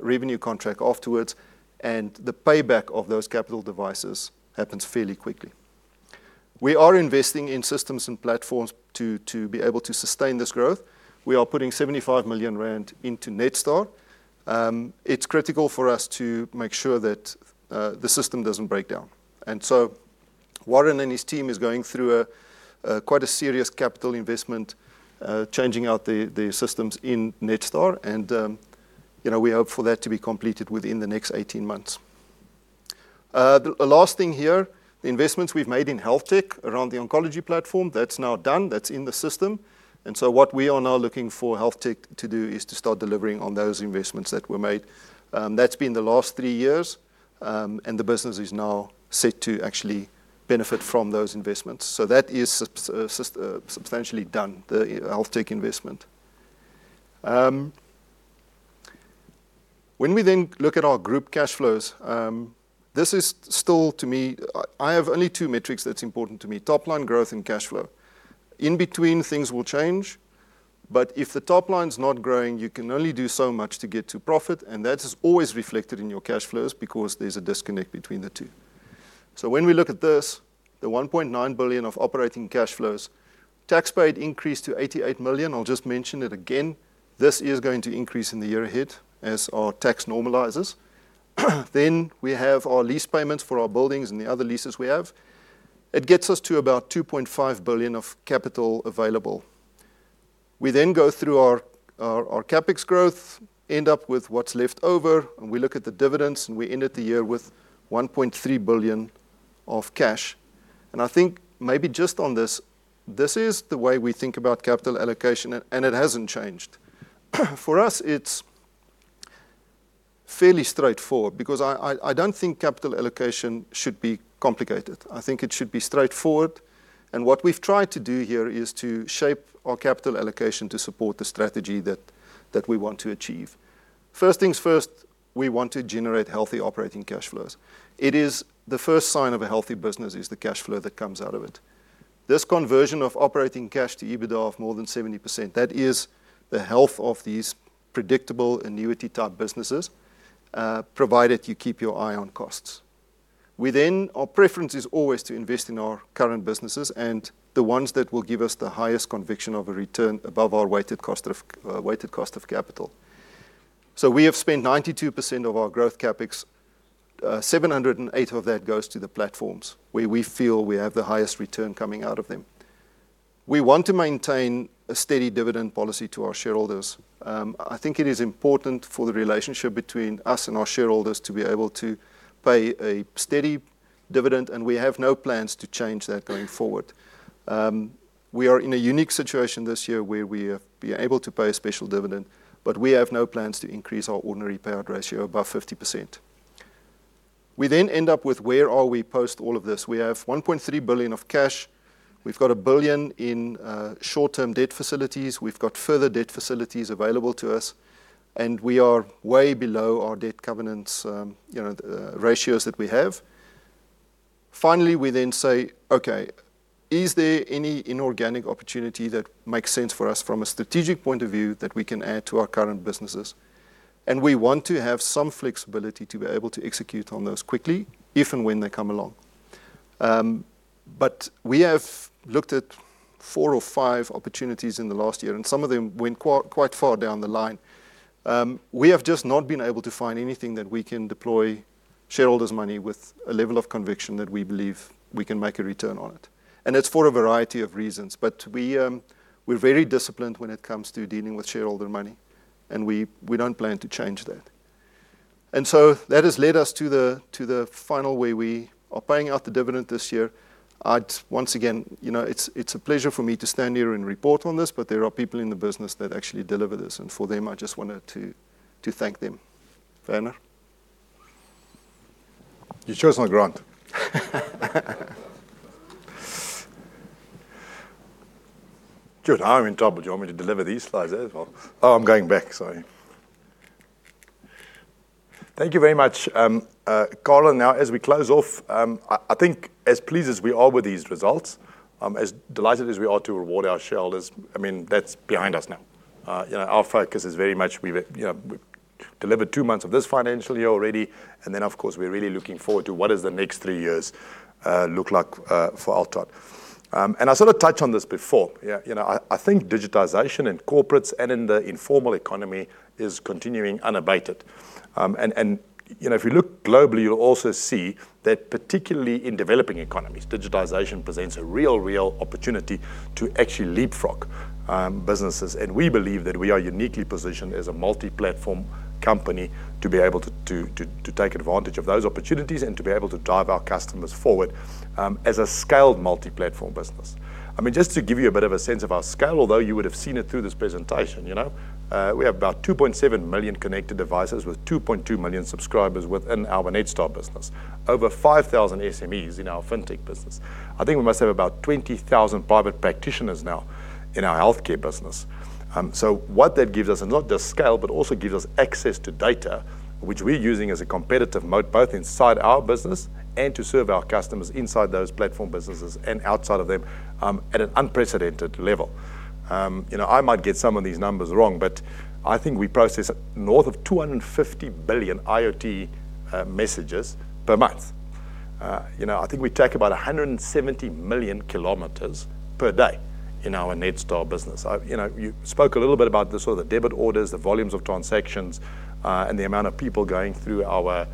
revenue contract afterwards, and the payback of those capital devices happens fairly quickly. We are investing in systems and platforms to be able to sustain this growth. We are putting 75 million rand into Netstar. It's critical for us to make sure that the system doesn't break down. Warren and his team is going through quite a serious capital investment, changing out their systems in Netstar, and we hope for that to be completed within the next 18 months. The last thing here, the investments we've made in HealthTech around the oncology platform, that's now done. That's in the system. What we are now looking for HealthTech to do is to start delivering on those investments that were made. That's been the last three years, and the business is now set to actually benefit from those investments. That is substantially done, the HealthTech investment. When we then look at our group cash flows, this is still to me, I have only two metrics that's important to me, top-line growth and cash flow. In between, things will change, but if the top line's not growing, you can only do so much to get to profit, and that is always reflected in your cash flows because there's a disconnect between the two. When we look at this, the 1.9 billion of operating cash flows, tax paid increased to 88 million. I'll just mention it again. This is going to increase in the year ahead as our tax normalizes. We have our lease payments for our buildings and the other leases we have. It gets us to about 2.5 billion of capital available. We then go through our CapEx growth, end up with what's left over, and we look at the dividends, and we end the year with 1.3 billion of cash. I think maybe just on this is the way we think about capital allocation, and it hasn't changed. For us, it's fairly straightforward because I don't think capital allocation should be complicated. I think it should be straightforward. What we've tried to do here is to shape our capital allocation to support the strategy that we want to achieve. First things first, we want to generate healthy operating cash flows. It is the first sign of a healthy business is the cash flow that comes out of it. This conversion of operating cash to EBITDA of more than 70%, that is the health of these predictable annuity-type businesses, provided you keep your eye on costs. Our preference is always to invest in our current businesses and the ones that will give us the highest conviction of a return above our weighted cost of capital. We have spent 92% of our growth CapEx. 708 million of that goes to the platforms where we feel we have the highest return coming out of them. We want to maintain a steady dividend policy to our shareholders. I think it is important for the relationship between us and our shareholders to be able to pay a steady dividend. We have no plans to change that going forward. We are in a unique situation this year where we have been able to pay a special dividend. We have no plans to increase our ordinary payout ratio above 50%. We end up with where are we post all of this? We have 1.3 billion of cash. We've got 1 billion in short-term debt facilities. We've got further debt facilities available to us. We are way below our debt covenants, the ratios that we have. We say, Okay, is there any inorganic opportunity that makes sense for us from a strategic point of view that we can add to our current businesses? We want to have some flexibility to be able to execute on those quickly if and when they come along. We have looked at four or five opportunities in the last year, and some of them went quite far down the line. We have just not been able to find anything that we can deploy shareholders' money with a level of conviction that we believe we can make a return on. It's for a variety of reasons. We're very disciplined when it comes to dealing with shareholder money, and we don't plan to change that. That has led us to the final way. We are paying out the dividend this year. Once again, it's a pleasure for me to stand here and report on this, but there are people in the business that actually deliver this, and for them, I just wanted to thank them. Werner? You chose not Grant. Dude, I'm in trouble. Do you want me to deliver these slides as well? Oh, I'm going back. Sorry. Thank you very much, Carel. As we close off, I think as pleased as we are with these results, as delighted as we are to reward our shareholders, that's behind us now. Our focus is very much, we've delivered two months of this financial year already, and then, of course, we're really looking forward to what does the next three years look like for Altron. I sort of touched on this before. I think digitization in corporates and in the informal economy is continuing unabated. If you look globally, you'll also see that particularly in developing economies, digitization presents a real opportunity to actually leapfrog businesses. We believe that we are uniquely positioned as a multi-platform company to be able to take advantage of those opportunities and to be able to drive our customers forward as a scaled multi-platform business. Just to give you a bit of a sense of our scale, although you would have seen it through this presentation. We have about 2.7 million connected devices with 2.2 million subscribers within our Netstar business. Over 5,000 SMEs in our FinTech business. I think we must have about 20,000 private practitioners now in our HealthTech business. What that gives us is not just scale, but also gives us access to data, which we are using as a competitive moat, both inside our business and to serve our customers inside those Platform businesses and outside of them at an unprecedented level. I might get some of these numbers wrong, but I think we process north of 250 billion IoT messages per month. I think we track about 170 million kilometers per day in our Netstar business. You spoke a little bit about the sort of debit orders, the volumes of transactions, and the amount of people going through our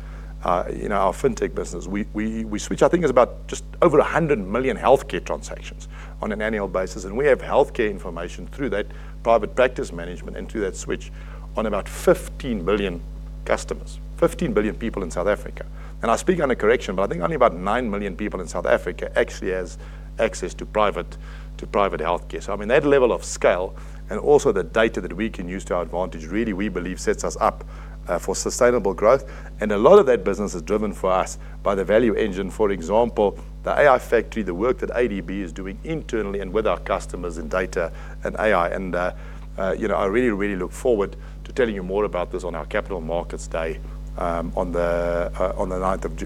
FinTech business. We switch, I think it is about just over 100 million healthcare transactions on an annual basis, and we have healthcare information through that private practice management and through that switch on about 15 billion customers, 15 billion people in South Africa. I speak under correction, but I think only about nine million people in South Africa actually has access to private healthcare. That level of scale and also the data that we can use to our advantage, really, we believe, sets us up for sustainable growth. A lot of that business is driven for us by the value engine. For example, the AI Factory, the work that ADB is doing internally and with our customers in data and AI, and I really look forward to telling you more about this on our Capital Markets Day on June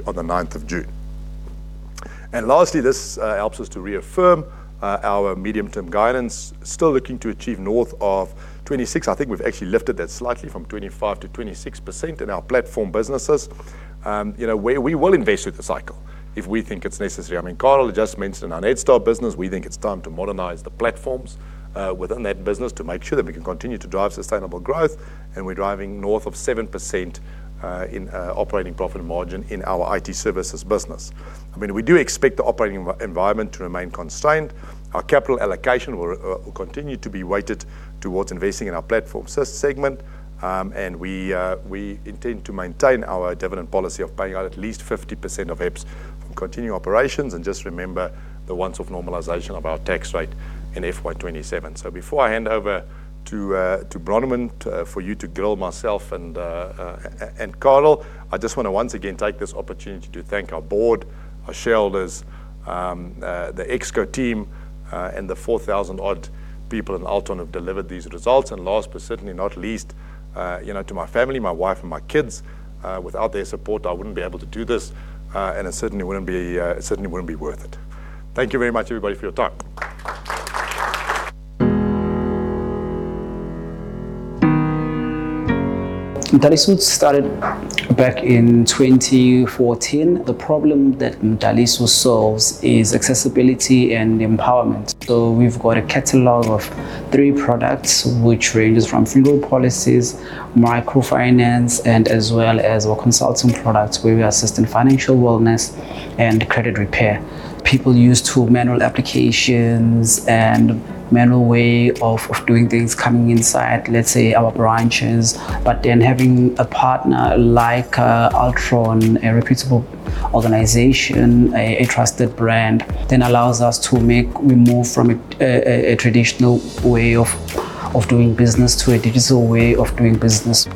9th. Lastly, this helps us to reaffirm our medium-term guidance. Still looking to achieve north of 26%. I think we've actually lifted that slightly from 25%-26% in our Platform businesses, where we will invest through the cycle if we think it's necessary. Carel just mentioned our Netstar business. We think it's time to modernize the platforms within that business to make sure that we can continue to drive sustainable growth. We're driving north of 7% in operating profit margin in our IT Services business. We do expect the operating environment to remain constrained. Our capital allocation will continue to be weighted towards investing in our platform segment. We intend to maintain our dividend policy of paying out at least 50% of EPS from continuing operations. Just remember the once-off normalization of our tax rate in FY 2027. Before I hand over to Bronwyn for you to grill myself and Carel, I just want to once again take this opportunity to thank our board, our shareholders, the ExCo team, and the 4,000-odd people in Altron who have delivered these results. Last but certainly not least, to my family, my wife, and my kids. Without their support, I wouldn't be able to do this, and it certainly wouldn't be worth it. Thank you very much, everybody, for your time. Mdalisu started back in 2014. The problem that Mdalisu solves is accessibility and empowerment. We've got a catalog of three products, which range from funeral policies, microfinance, and as well as our consulting products, where we assist in financial wellness and credit repair. People are used to manual applications and manual way of doing things, coming inside, let's say, our branches. Having a partner like Altron, a reputable organization, a trusted brand, then allows us to move from a traditional way of doing business to a digital way of doing business.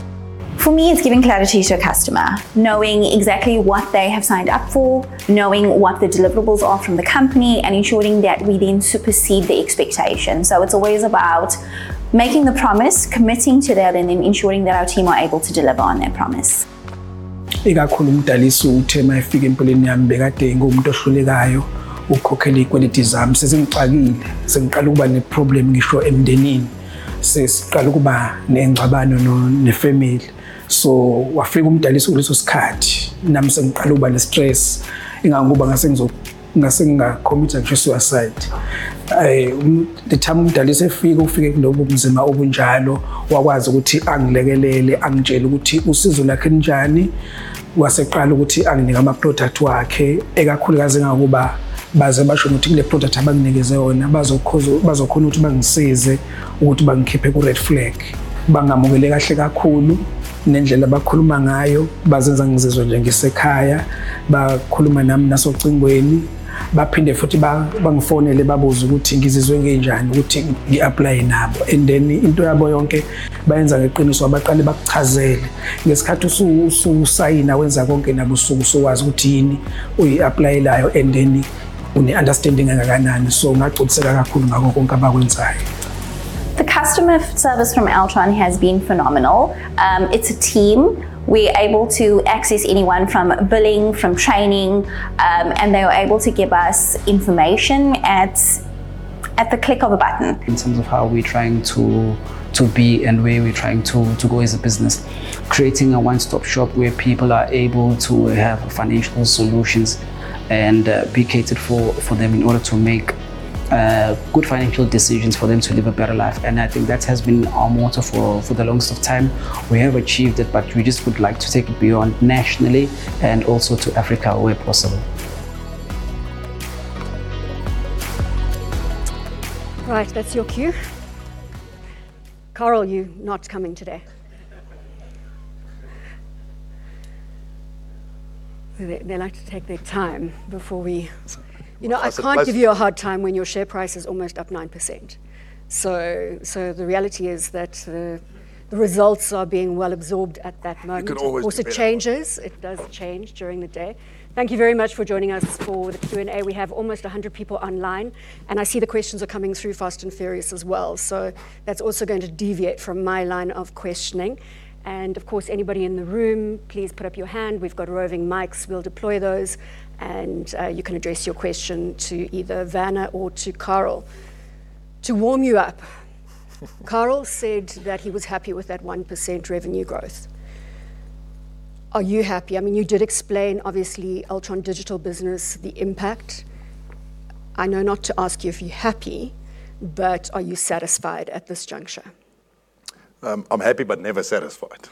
For me, it's giving clarity to the customer, knowing exactly what they have signed up for, knowing what the deliverables are from the company, and ensuring that we then supersede the expectation. It's always about making the promise, committing to that, and then ensuring that we're actually able to deliver on that promise. We started having problems with the family. My husband said he couldn't take it anymore. He said he was under a lot of stress, and he might even contemplate committing suicide. When my husband said that's when I realized that I needed to intervene and ask him how he was doing. That's when he started telling me about his plots, and in the beginning, I didn't know what those plots were. He said he would help me, and that's when I saw the red flag. He was listening to me a lot, and the way he was talking about it, he was making me feel like I was at home. He was talking to me nicely, and he even called me to ask how I was doing and if I had applied. All of that made me realize that he was really caring. Besides, you are the one signing, so you know what you are applying for, and you have an understanding with him. That helped me a lot, and that's what made me join. The customer service from Altron has been phenomenal. It's a team. We're able to access anyone from billing, from training, and they were able to give us information at the click of a button. In terms of how we're trying to be and where we're trying to go as a business, creating a one-stop shop where people are able to have financial solutions and be catered for them in order to make good financial decisions for them to live a better life. I think that has been our motto for the longest time. We have achieved it, but we just would like to take it beyond nationally and also to Africa, where possible. Right. That's your cue. Carel, you're not coming today. They like to take their time before I can't give you a hard time when your share price is almost up 9%. The reality is that the results are being well-absorbed at that moment. You can always- Of course, it changes. It does change during the day. Thank you very much for joining us for the Q&A. We have almost 100 people online, and I see the questions are coming through fast and furious as well. That's also going to deviate from my line of questioning. Of course, anybody in the room, please put up your hand. We've got roving mics, we'll deploy those, and you can address your question to either Werner or to Carel. To warm you up, Carel said that he was happy with that 1% revenue growth. Are you happy? You did explain, obviously, Altron Digital Business, the impact. I know not to ask you if you're happy, but are you satisfied at this juncture? I'm happy, but never satisfied,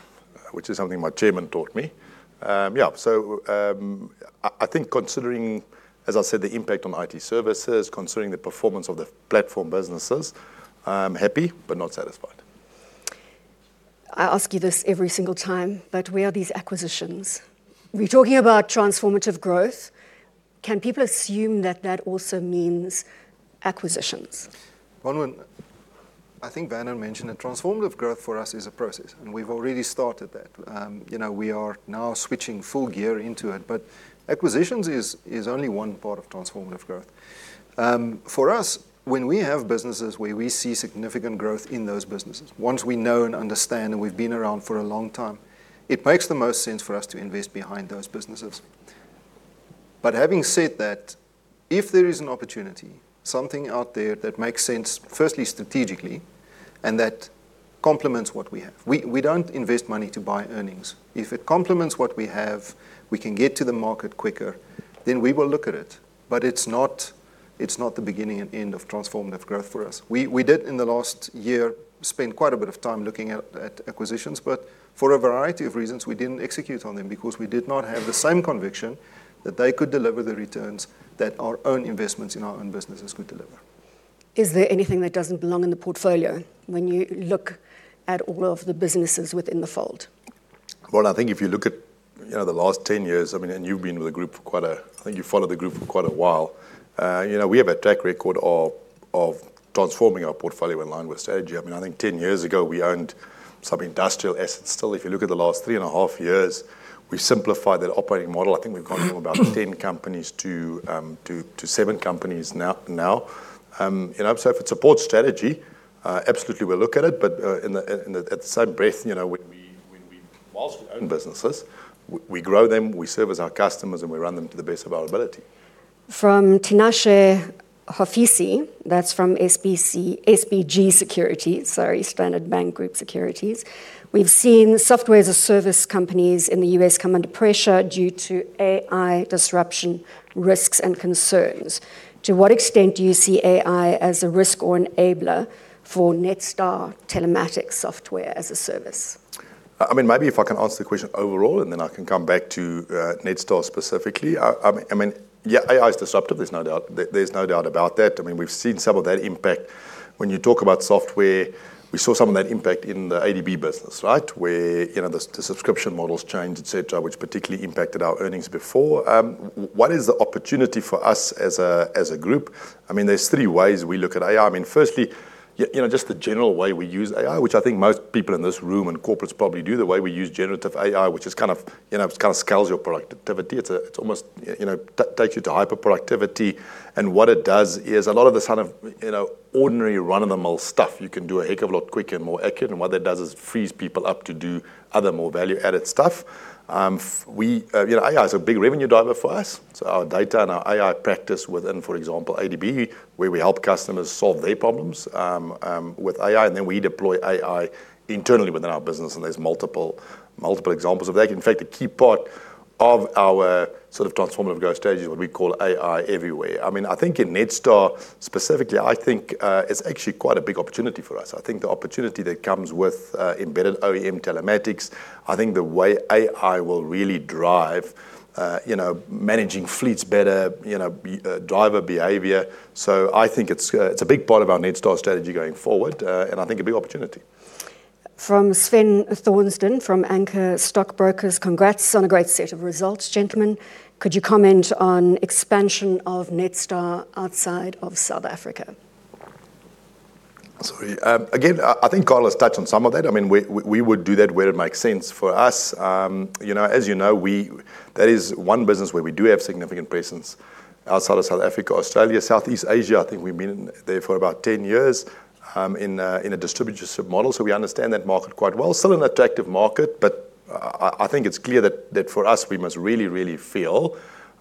which is something my chairman taught me. Yeah. I think considering, as I said, the impact on IT Services, considering the performance of the Platform businesses, I'm happy, but not satisfied. I ask you this every single time, but where are these acquisitions? We are talking about transformative growth. Can people assume that that also means acquisitions? Well, look, I think Werner mentioned it. Transformative growth for us is a process, and we've already started that. We are now switching full gear into it. Acquisitions is only one part of transformative growth. For us, when we have businesses where we see significant growth in those businesses, ones we know and understand and we've been around for a long time, it makes the most sense for us to invest behind those businesses. Having said that, if there is an opportunity, something out there that makes sense, firstly, strategically, and that complements what we have. We don't invest money to buy earnings. If it complements what we have, we can get to the market quicker, then we will look at it. It's not the beginning and end of transformative growth for us. We did, in the last year, spend quite a bit of time looking at acquisitions, but for a variety of reasons, we didn't execute on them because we did not have the same conviction that they could deliver the returns that our own investments in our own businesses could deliver. Is there anything that doesn't belong in the portfolio when you look at all of the businesses within the fold? Well, I think if you look at the last 10 years, and you've followed the group for quite a while, we have a track record of transforming our portfolio along with stage. I think 10 years ago, we owned some industrial assets still. If you look at the last three and a half years, we simplified that operating model. I think we've gone from about 10 companies to seven companies now. If it supports strategy, absolutely, we'll look at it. At the same breath, whilst we own businesses, we grow them, we service our customers, and we run them to the best of our ability. From Tinashe Mafusire, that's from SBG Securities, sorry, Standard Bank Group Securities: "We've seen software as a service companies in the U.S. come under pressure due to AI disruption risks and concerns. To what extent do you see AI as a risk or enabler for Netstar telematics software as a service? Maybe if I can answer the question overall, and then I can come back to Netstar specifically. Yeah, AI is disruptive, there's no doubt about that. We've seen some of that impact. When you talk about software, we saw some of that impact in the ADB business, right, where the subscription models changed, et cetera, which particularly impacted our earnings before. One is the opportunity for us as a group. There's three ways we look at AI. Firstly, just the general way we use AI, which I think most people in this room and corporates probably do, the way we use generative AI, which just kind of scales your productivity. It almost takes you to hyper-productivity. What it does is a lot of the ordinary run-of-the-mill stuff you can do a heck of a lot quicker and more accurate, and what that does is it frees people up to do other more value-added stuff. AI is a big revenue driver for us. Our data and our AI practice within, for example, ADB, where we help customers solve their problems with AI, and then we deploy AI internally within our business, and there's multiple examples of that. In fact, a key part of our sort of transformative growth strategy that we call AI Everywhere. In Netstar specifically, I think, it's actually quite a big opportunity for us. The opportunity that comes with embedded OEM telematics, I think the way AI will really drive managing fleets better, driver behavior. I think it's a big part of our Netstar strategy going forward, and I think a big opportunity. From Sven Thordsen from Anchor Stockbrokers, congrats on a great set of results, gentlemen. Could you comment on expansion of Netstar outside of South Africa? Sorry. I think Carel has touched on some of that. We would do that where it makes sense. For us, as you know, there is one business where we do have significant presence outside of South Africa, Australia, Southeast Asia. I think we've been there for about 10 years, in a distributed model. We understand that market quite well. Still an attractive market, I think it's clear that for us, we must really feel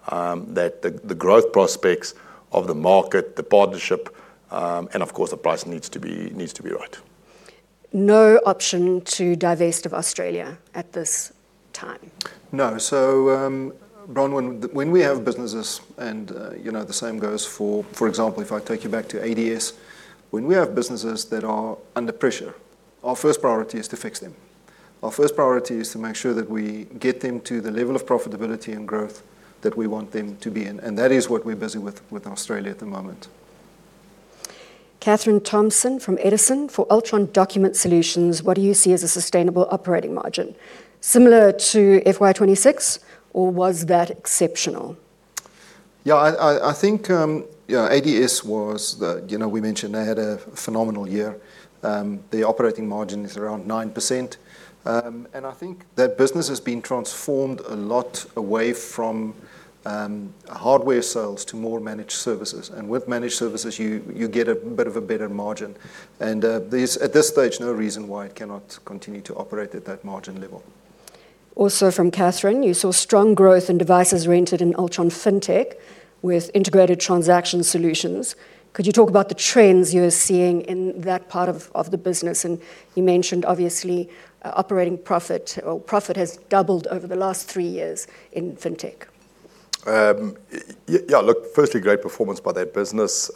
that the growth prospects of the market, the partnership, and of course the price needs to be right. No option to divest of Australia at this time? No. Bronwyn, when we have businesses and the same goes for example, if I take you back to ADS, when we have businesses that are under pressure, our first priority is to fix them. Our first priority is to make sure that we get them to the level of profitability and growth that we want them to be in. That is what we're busy with Australia at the moment. Katherine Thompson from Edison, for Altron Document Solutions, what do you see as a sustainable operating margin? Similar to FY 2026 or was that exceptional? Yeah, I think, ADS was, we mentioned they had a phenomenal year. The operating margin is around 9%. I think that business has been transformed a lot away from hardware sales to more managed services. With managed services, you get a bit of a better margin. There's, at this stage, no reason why it cannot continue to operate at that margin level. From Katherine, you saw strong growth in devices rented in Altron FinTech with integrated transaction solutions. Could you talk about the trends you're seeing in that part of the business? You mentioned obviously operating profit, or profit has doubled over the last three years in Altron FinTech. Yeah, look, firstly, great performance by that business.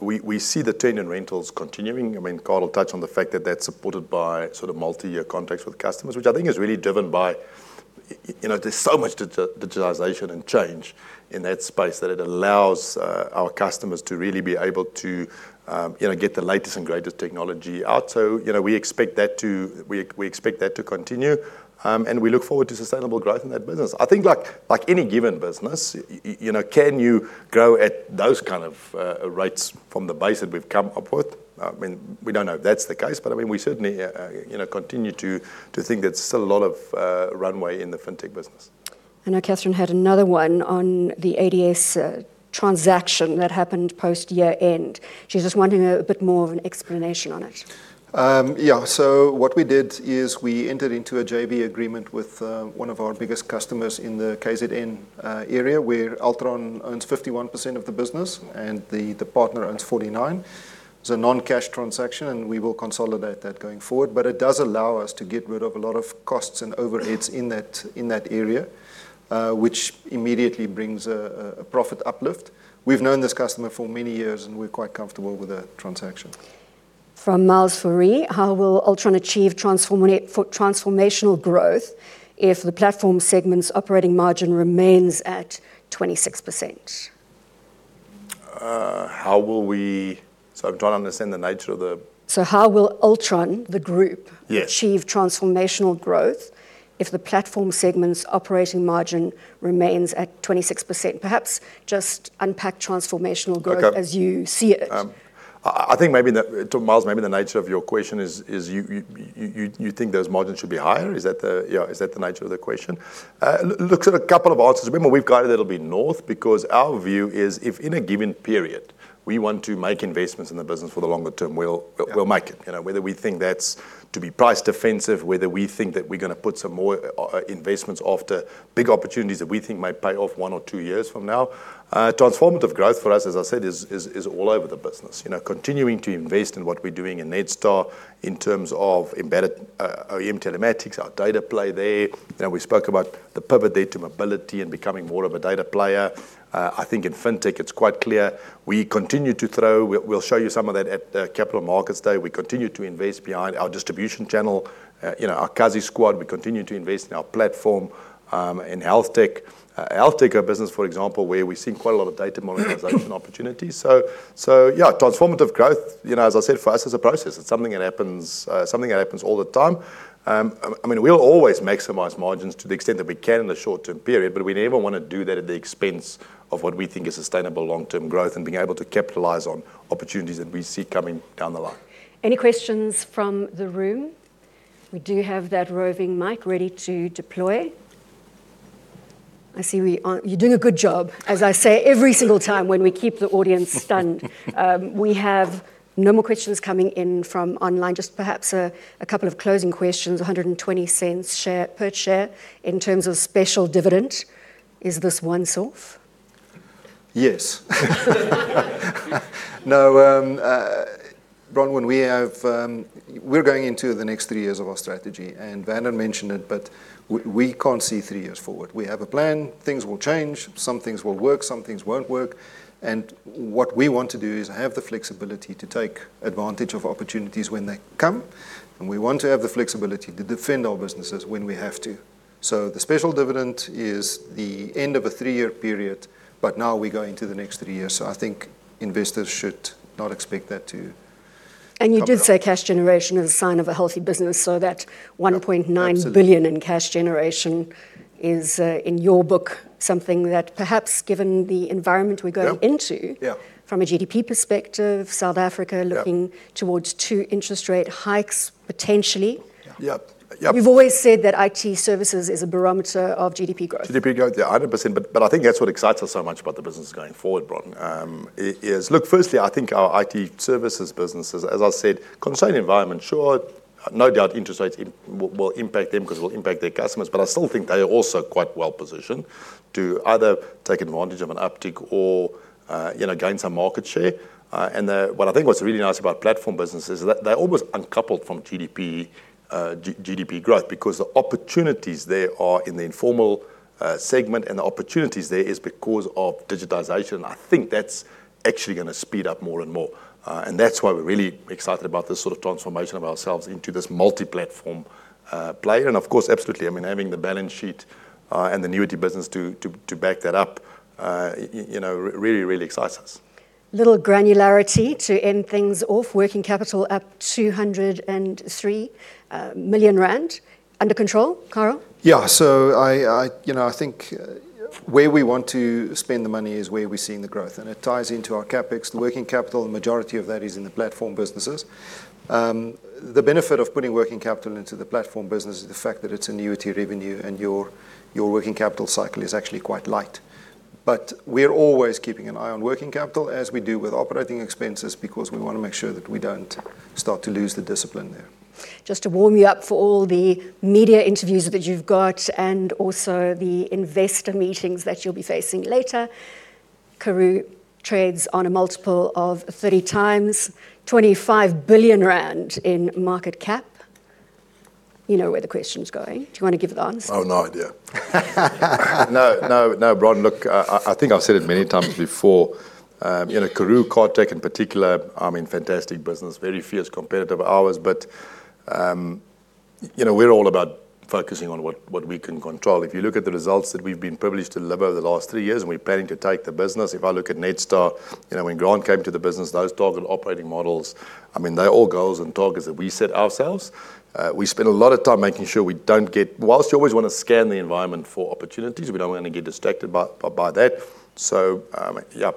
We see the trend in rentals continuing. Carel touched on the fact that that's supported by sort of multi-year contracts with customers, which I think is really driven by, there's so much digitalization and change in that space that it allows our customers to really be able to get the latest and greatest technology out. We expect that to continue, and we look forward to sustainable growth in that business. I think like any given business, can you grow at those kind of rates from the base that we've come up with? We don't know if that's the case, but we certainly continue to think there's still a lot of runway in the FinTech business. Katherine had another one on the ADS transaction that happened post year-end. She's just wondering a bit more of an explanation on it. Yeah. What we did is we entered into a JV agreement with one of our biggest customers in the KZN area, where Altron owns 51% of the business and the partner owns 49%. It's a non-cash transaction, and we will consolidate that going forward, but it does allow us to get rid of a lot of costs and overheads in that area, which immediately brings a profit uplift. We've known this customer for many years, and we're quite comfortable with that transaction. From Miles Farey, how will Altron achieve transformational growth if the platform segment's operating margin remains at 26%? I'm trying to understand the nature of. How will Altron, the group. Yes. Achieve transformational growth if the platform segment's operating margin remains at 26%? Perhaps just unpack transformational growth. Okay As you see it. I think maybe, to Miles, maybe the nature of your question is, you think those margins should be higher? Is that the nature of the question? Look, there's two answers. Remember we guided a little bit north because our view is if in a given period we want to make investments in the business for the longer term, we'll make it. Whether we think that's to be price defensive, whether we think that we're going to put some more investments after big opportunities that we think might pay off one or two years from now. Transformative growth for us, as I said, is all over the business. Continuing to invest in what we're doing in Netstar in terms of embedded OEM telematics, our data play there. We spoke about the pivot data mobility and becoming more of a data player. I think in FinTech it's quite clear. We continue to throw, we'll show you some of that at the Capital Markets Day. We continue to invest behind our distribution channel, our Kasi Squad. We continue to invest in our platform, in HealthTech. HealthTech, our business, for example, where we're seeing quite a lot of data monetization opportunities. Yeah, transformative growth, as I said, for us is a process. It's something that happens all the time. We'll always maximize margins to the extent that we can in the short-term period, but we never want to do that at the expense of what we think is sustainable long-term growth and being able to capitalize on opportunities that we see coming down the line. Any questions from the room? We do have that roving mic ready to deploy. You do a good job, as I say every single time, when we keep the audience stunned. We have no more questions coming in from online. Just perhaps a couple of closing questions. 1.20 per share. In terms of special dividend, is this once off? Yes. No, Bronwyn, we're going into the next three years of our strategy, and Werner mentioned it, but we can't see three years forward. We have a plan. Things will change. Some things will work, some things won't work. What we want to do is have the flexibility to take advantage of opportunities when they come, and we want to have the flexibility to defend our businesses when we have to. The special dividend is the end of a three-year period, but now we go into the next three years, I think investors should not expect that to come back. You did say cash generation is a sign of a healthy business, so that 1.9 billion in cash generation is, in your book, something that perhaps, given the environment we're going into. Yeah. From a GDP perspective, South Africa looking towards two interest rate hikes, potentially. Yep. You've always said that IT Services is a barometer of GDP growth. GDP growth, yeah, 100%. I think that's what excites us so much about the business going forward, Bronwyn, is look, firstly, I think our IT Services business is, as I said, concerned environment, sure. No doubt interest rates will impact them because it will impact their customers. I still think they're also quite well-positioned to either take advantage of an uptick or gain some market share. What I think what's really nice about Platform businesses, they're almost uncoupled from GDP growth, because the opportunities there are in the informal segment, and opportunities there is because of digitization, and I think that's actually going to speed up more and more. That's why we're really excited about this sort of transformation of ourselves into this multi-platform player. Of course, absolutely, having the balance sheet and the annuity business to back that up, really excites us. Little granularity to end things off, working capital up 203 million rand. Under control, Carel? I think where we want to spend the money is where we're seeing the growth, and it ties into our CapEx. Working capital, the majority of that is in the Platform businesses. The benefit of putting working capital into the Platform business is the fact that it's annuity revenue and your working capital cycle is actually quite light. We're always keeping an eye on working capital, as we do with operating expenses, because we want to make sure that we don't start to lose the discipline there. Just to warm you up for all the media interviews that you've got and also the investor meetings that you'll be facing later, Karooooo trades on a multiple of 30x, 25 billion rand in market cap. You know where the question's going. Do you want to give the answer? No idea. No, Bronwyn, look, I think I've said it many times before. Karooooo, Cartrack in particular, fantastic business. Very few competitors of ours, but we're all about focusing on what we can control. If you look at the results that we've been privileged to deliver the last three years, we plan to take the business. If I look at Netstar, when Grant came to the business, those target operating models, they're all goals and targets that we set ourselves. We spend a lot of time making sure we don't get whilst you always want to scan the environment for opportunities, we don't want to get distracted by that. Yeah,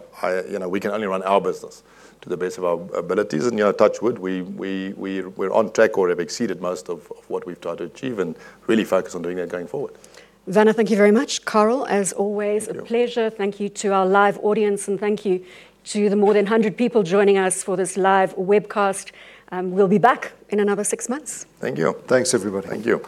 we can only run our business to the best of our abilities. Touch wood, we're on track or have exceeded most of what we've tried to achieve and really focused on doing that going forward. Werner, thank you very much. Carel, as always, a pleasure. Thank you to our live audience, and thank you to the more than 100 people joining us for this live webcast. We'll be back in another six months. Thank you. Thanks, everyone. Thank you.